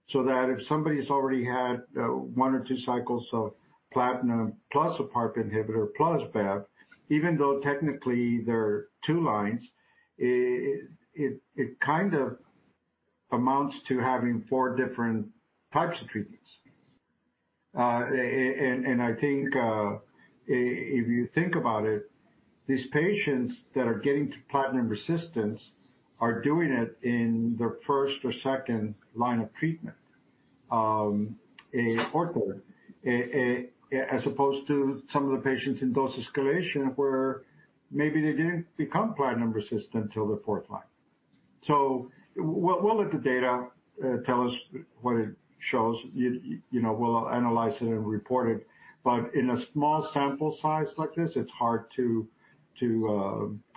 so that if somebody's already had one or two cycles of platinum plus a PARP inhibitor plus Bev, even though technically they're two lines, it kind of amounts to having four different types of treatments. I think if you think about it, these patients that are getting to platinum resistance are doing it in their first or second line of treatment, or third, as opposed to some of the patients in dose escalation where maybe they didn't become platinum resistant till the fourth line. We'll let the data tell us what it shows. You know, we'll analyze it and report it. In a small sample size like this, it's hard to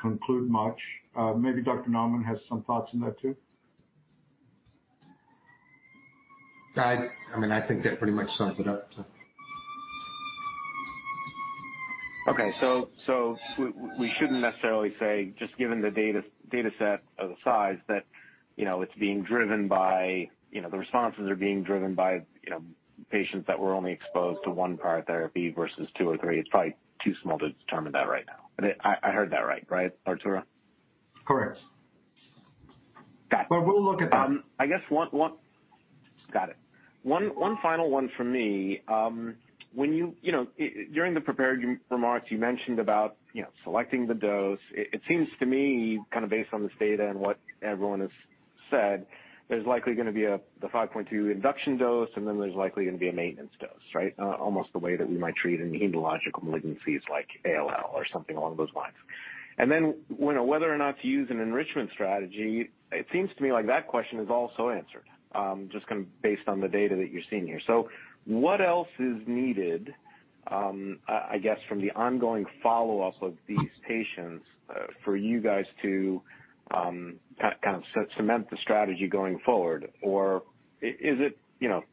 conclude much. Maybe Dr. Naumann has some thoughts on that too. I mean, I think that pretty much sums it up, so. Okay. We shouldn't necessarily say, just given the data set of the size that, you know, the responses are being driven by patients that were only exposed to one prior therapy versus two or three. It's probably too small to determine that right now. I heard that right, Arturo? Correct. Got it. We'll look at that. I guess one final one from me. When you know during the prepared remarks, you mentioned about you know selecting the dose. It seems to me kind of based on this data and what everyone has said, there's likely gonna be a 5.2 induction dose, and then there's likely gonna be a maintenance dose, right? Almost the way that we might treat in hematological malignancies like ALL or something along those lines. You know whether or not to use an enrichment strategy, it seems to me like that question is also answered just kind of based on the data that you're seeing here. What else is needed I guess from the ongoing follow-up of these patients for you guys to kind of cement the strategy going forward? Is it, you know,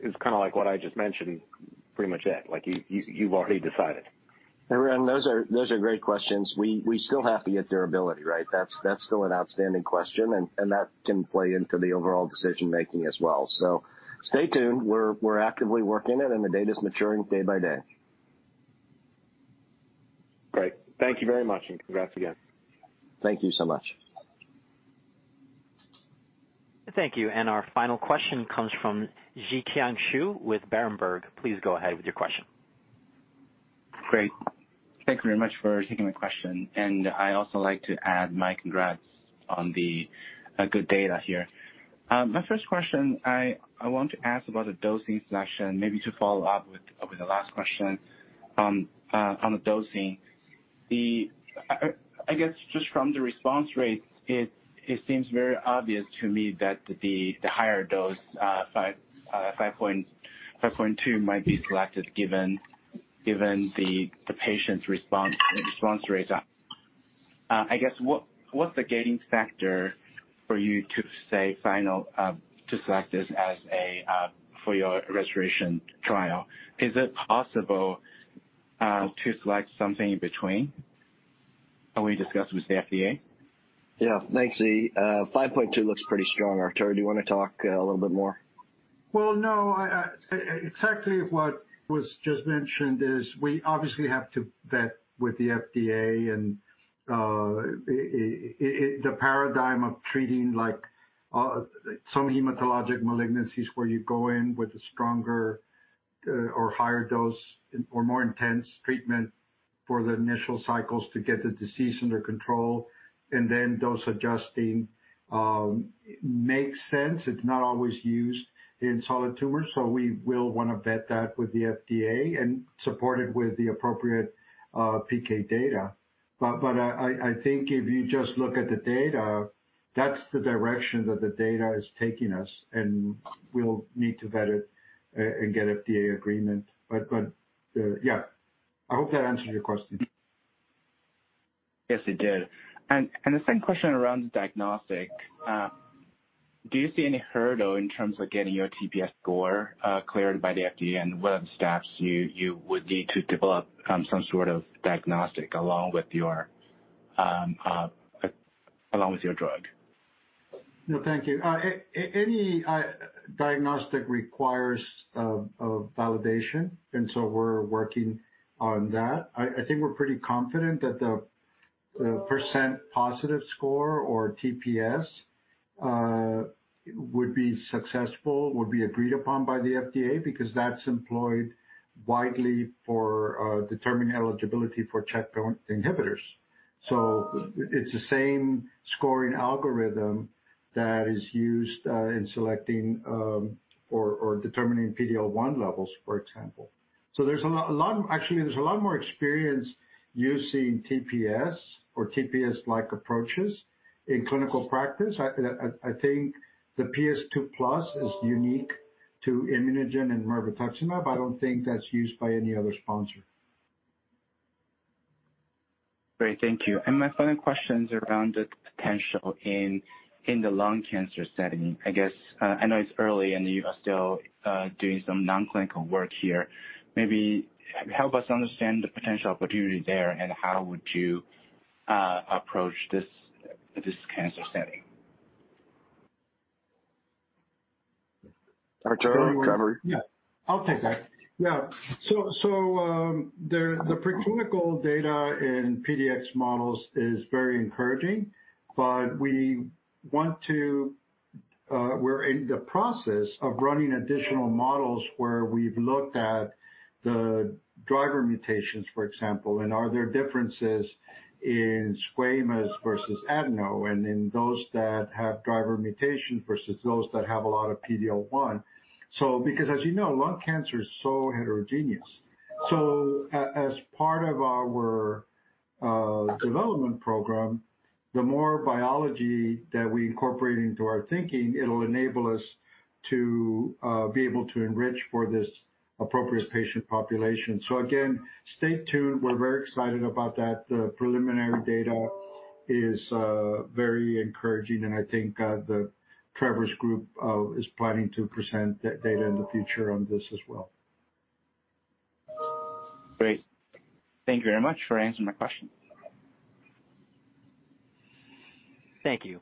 is it kind of like what I just mentioned, pretty much it, like you've already decided? Reni, those are great questions. We still have to get durability, right? That's still an outstanding question, and that can play into the overall decision making as well. Stay tuned. We're actively working it, and the data's maturing day by day. Great. Thank you very much, and congrats again. Thank you so much. Thank you. Our final question comes from Zhiqiang Shu with Berenberg. Please go ahead with your question. Great. Thank you very much for taking my question. I also like to add my congrats on the good data here. My first question, I want to ask about the dosing selection, maybe to follow up with the last question on the dosing. I guess just from the response rate, it seems very obvious to me that the higher dose, 5.2 might be selected given the patient's response rates. I guess, what's the gating factor for you to say final, to select this as a for your registration trial? Is it possible to select something in between? Have we discussed with the FDA? Yeah. Thanks, Zhi. 5.2 looks pretty strong. Arturo, do you wanna talk a little bit more? Well, no. Exactly what was just mentioned is we obviously have to vet with the FDA and the paradigm of treating like some hematologic malignancies where you go in with a stronger or higher dose or more intense treatment for the initial cycles to get the disease under control and then dose adjusting makes sense. It's not always used in solid tumors, so we will wanna vet that with the FDA and support it with the appropriate PK data. I think if you just look at the data. That's the direction that the data is taking us, and we'll need to vet it and get FDA agreement. Yeah. I hope that answered your question. Yes, it did. The second question around the diagnostic. Do you see any hurdle in terms of getting your TPS score cleared by the FDA and what steps you would need to develop some sort of diagnostic along with your drug? No, thank you. Any diagnostic requires validation, and so we're working on that. I think we're pretty confident that the percent positive score or TPS would be successful, would be agreed upon by the FDA because that's employed widely for determining eligibility for checkpoint inhibitors. It's the same scoring algorithm that is used in selecting or determining PD-L1 levels, for example. There's a lot, actually, there's a lot more experience using TPS or TPS-like approaches in clinical practice. I think the PS2 plus is unique to ImmunoGen and mirvetuximab. I don't think that's used by any other sponsor. Great. Thank you. My final question's around the potential in the lung cancer setting. I guess, I know it's early, and you are still doing some non-clinical work here. Maybe help us understand the potential opportunity there and how would you approach this cancer setting. Arturo? Trevor? Yeah, I'll take that. Yeah. The preclinical data in PDX models is very encouraging, but we're in the process of running additional models where we've looked at the driver mutations, for example, and are there differences in squamous versus adeno and in those that have driver mutations versus those that have a lot of PD-L1. Because as you know, lung cancer is so heterogeneous. As part of our development program, the more biology that we incorporate into our thinking, it'll enable us to be able to enrich for this appropriate patient population. Again, stay tuned. We're very excited about that. The preliminary data is very encouraging, and I think, Trevor's group is planning to present data in the future on this as well. Great. Thank you very much for answering my question. Thank you.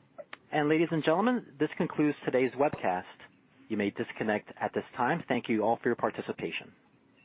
Ladies and gentlemen, this concludes today's webcast. You may disconnect at this time. Thank you all for your participation.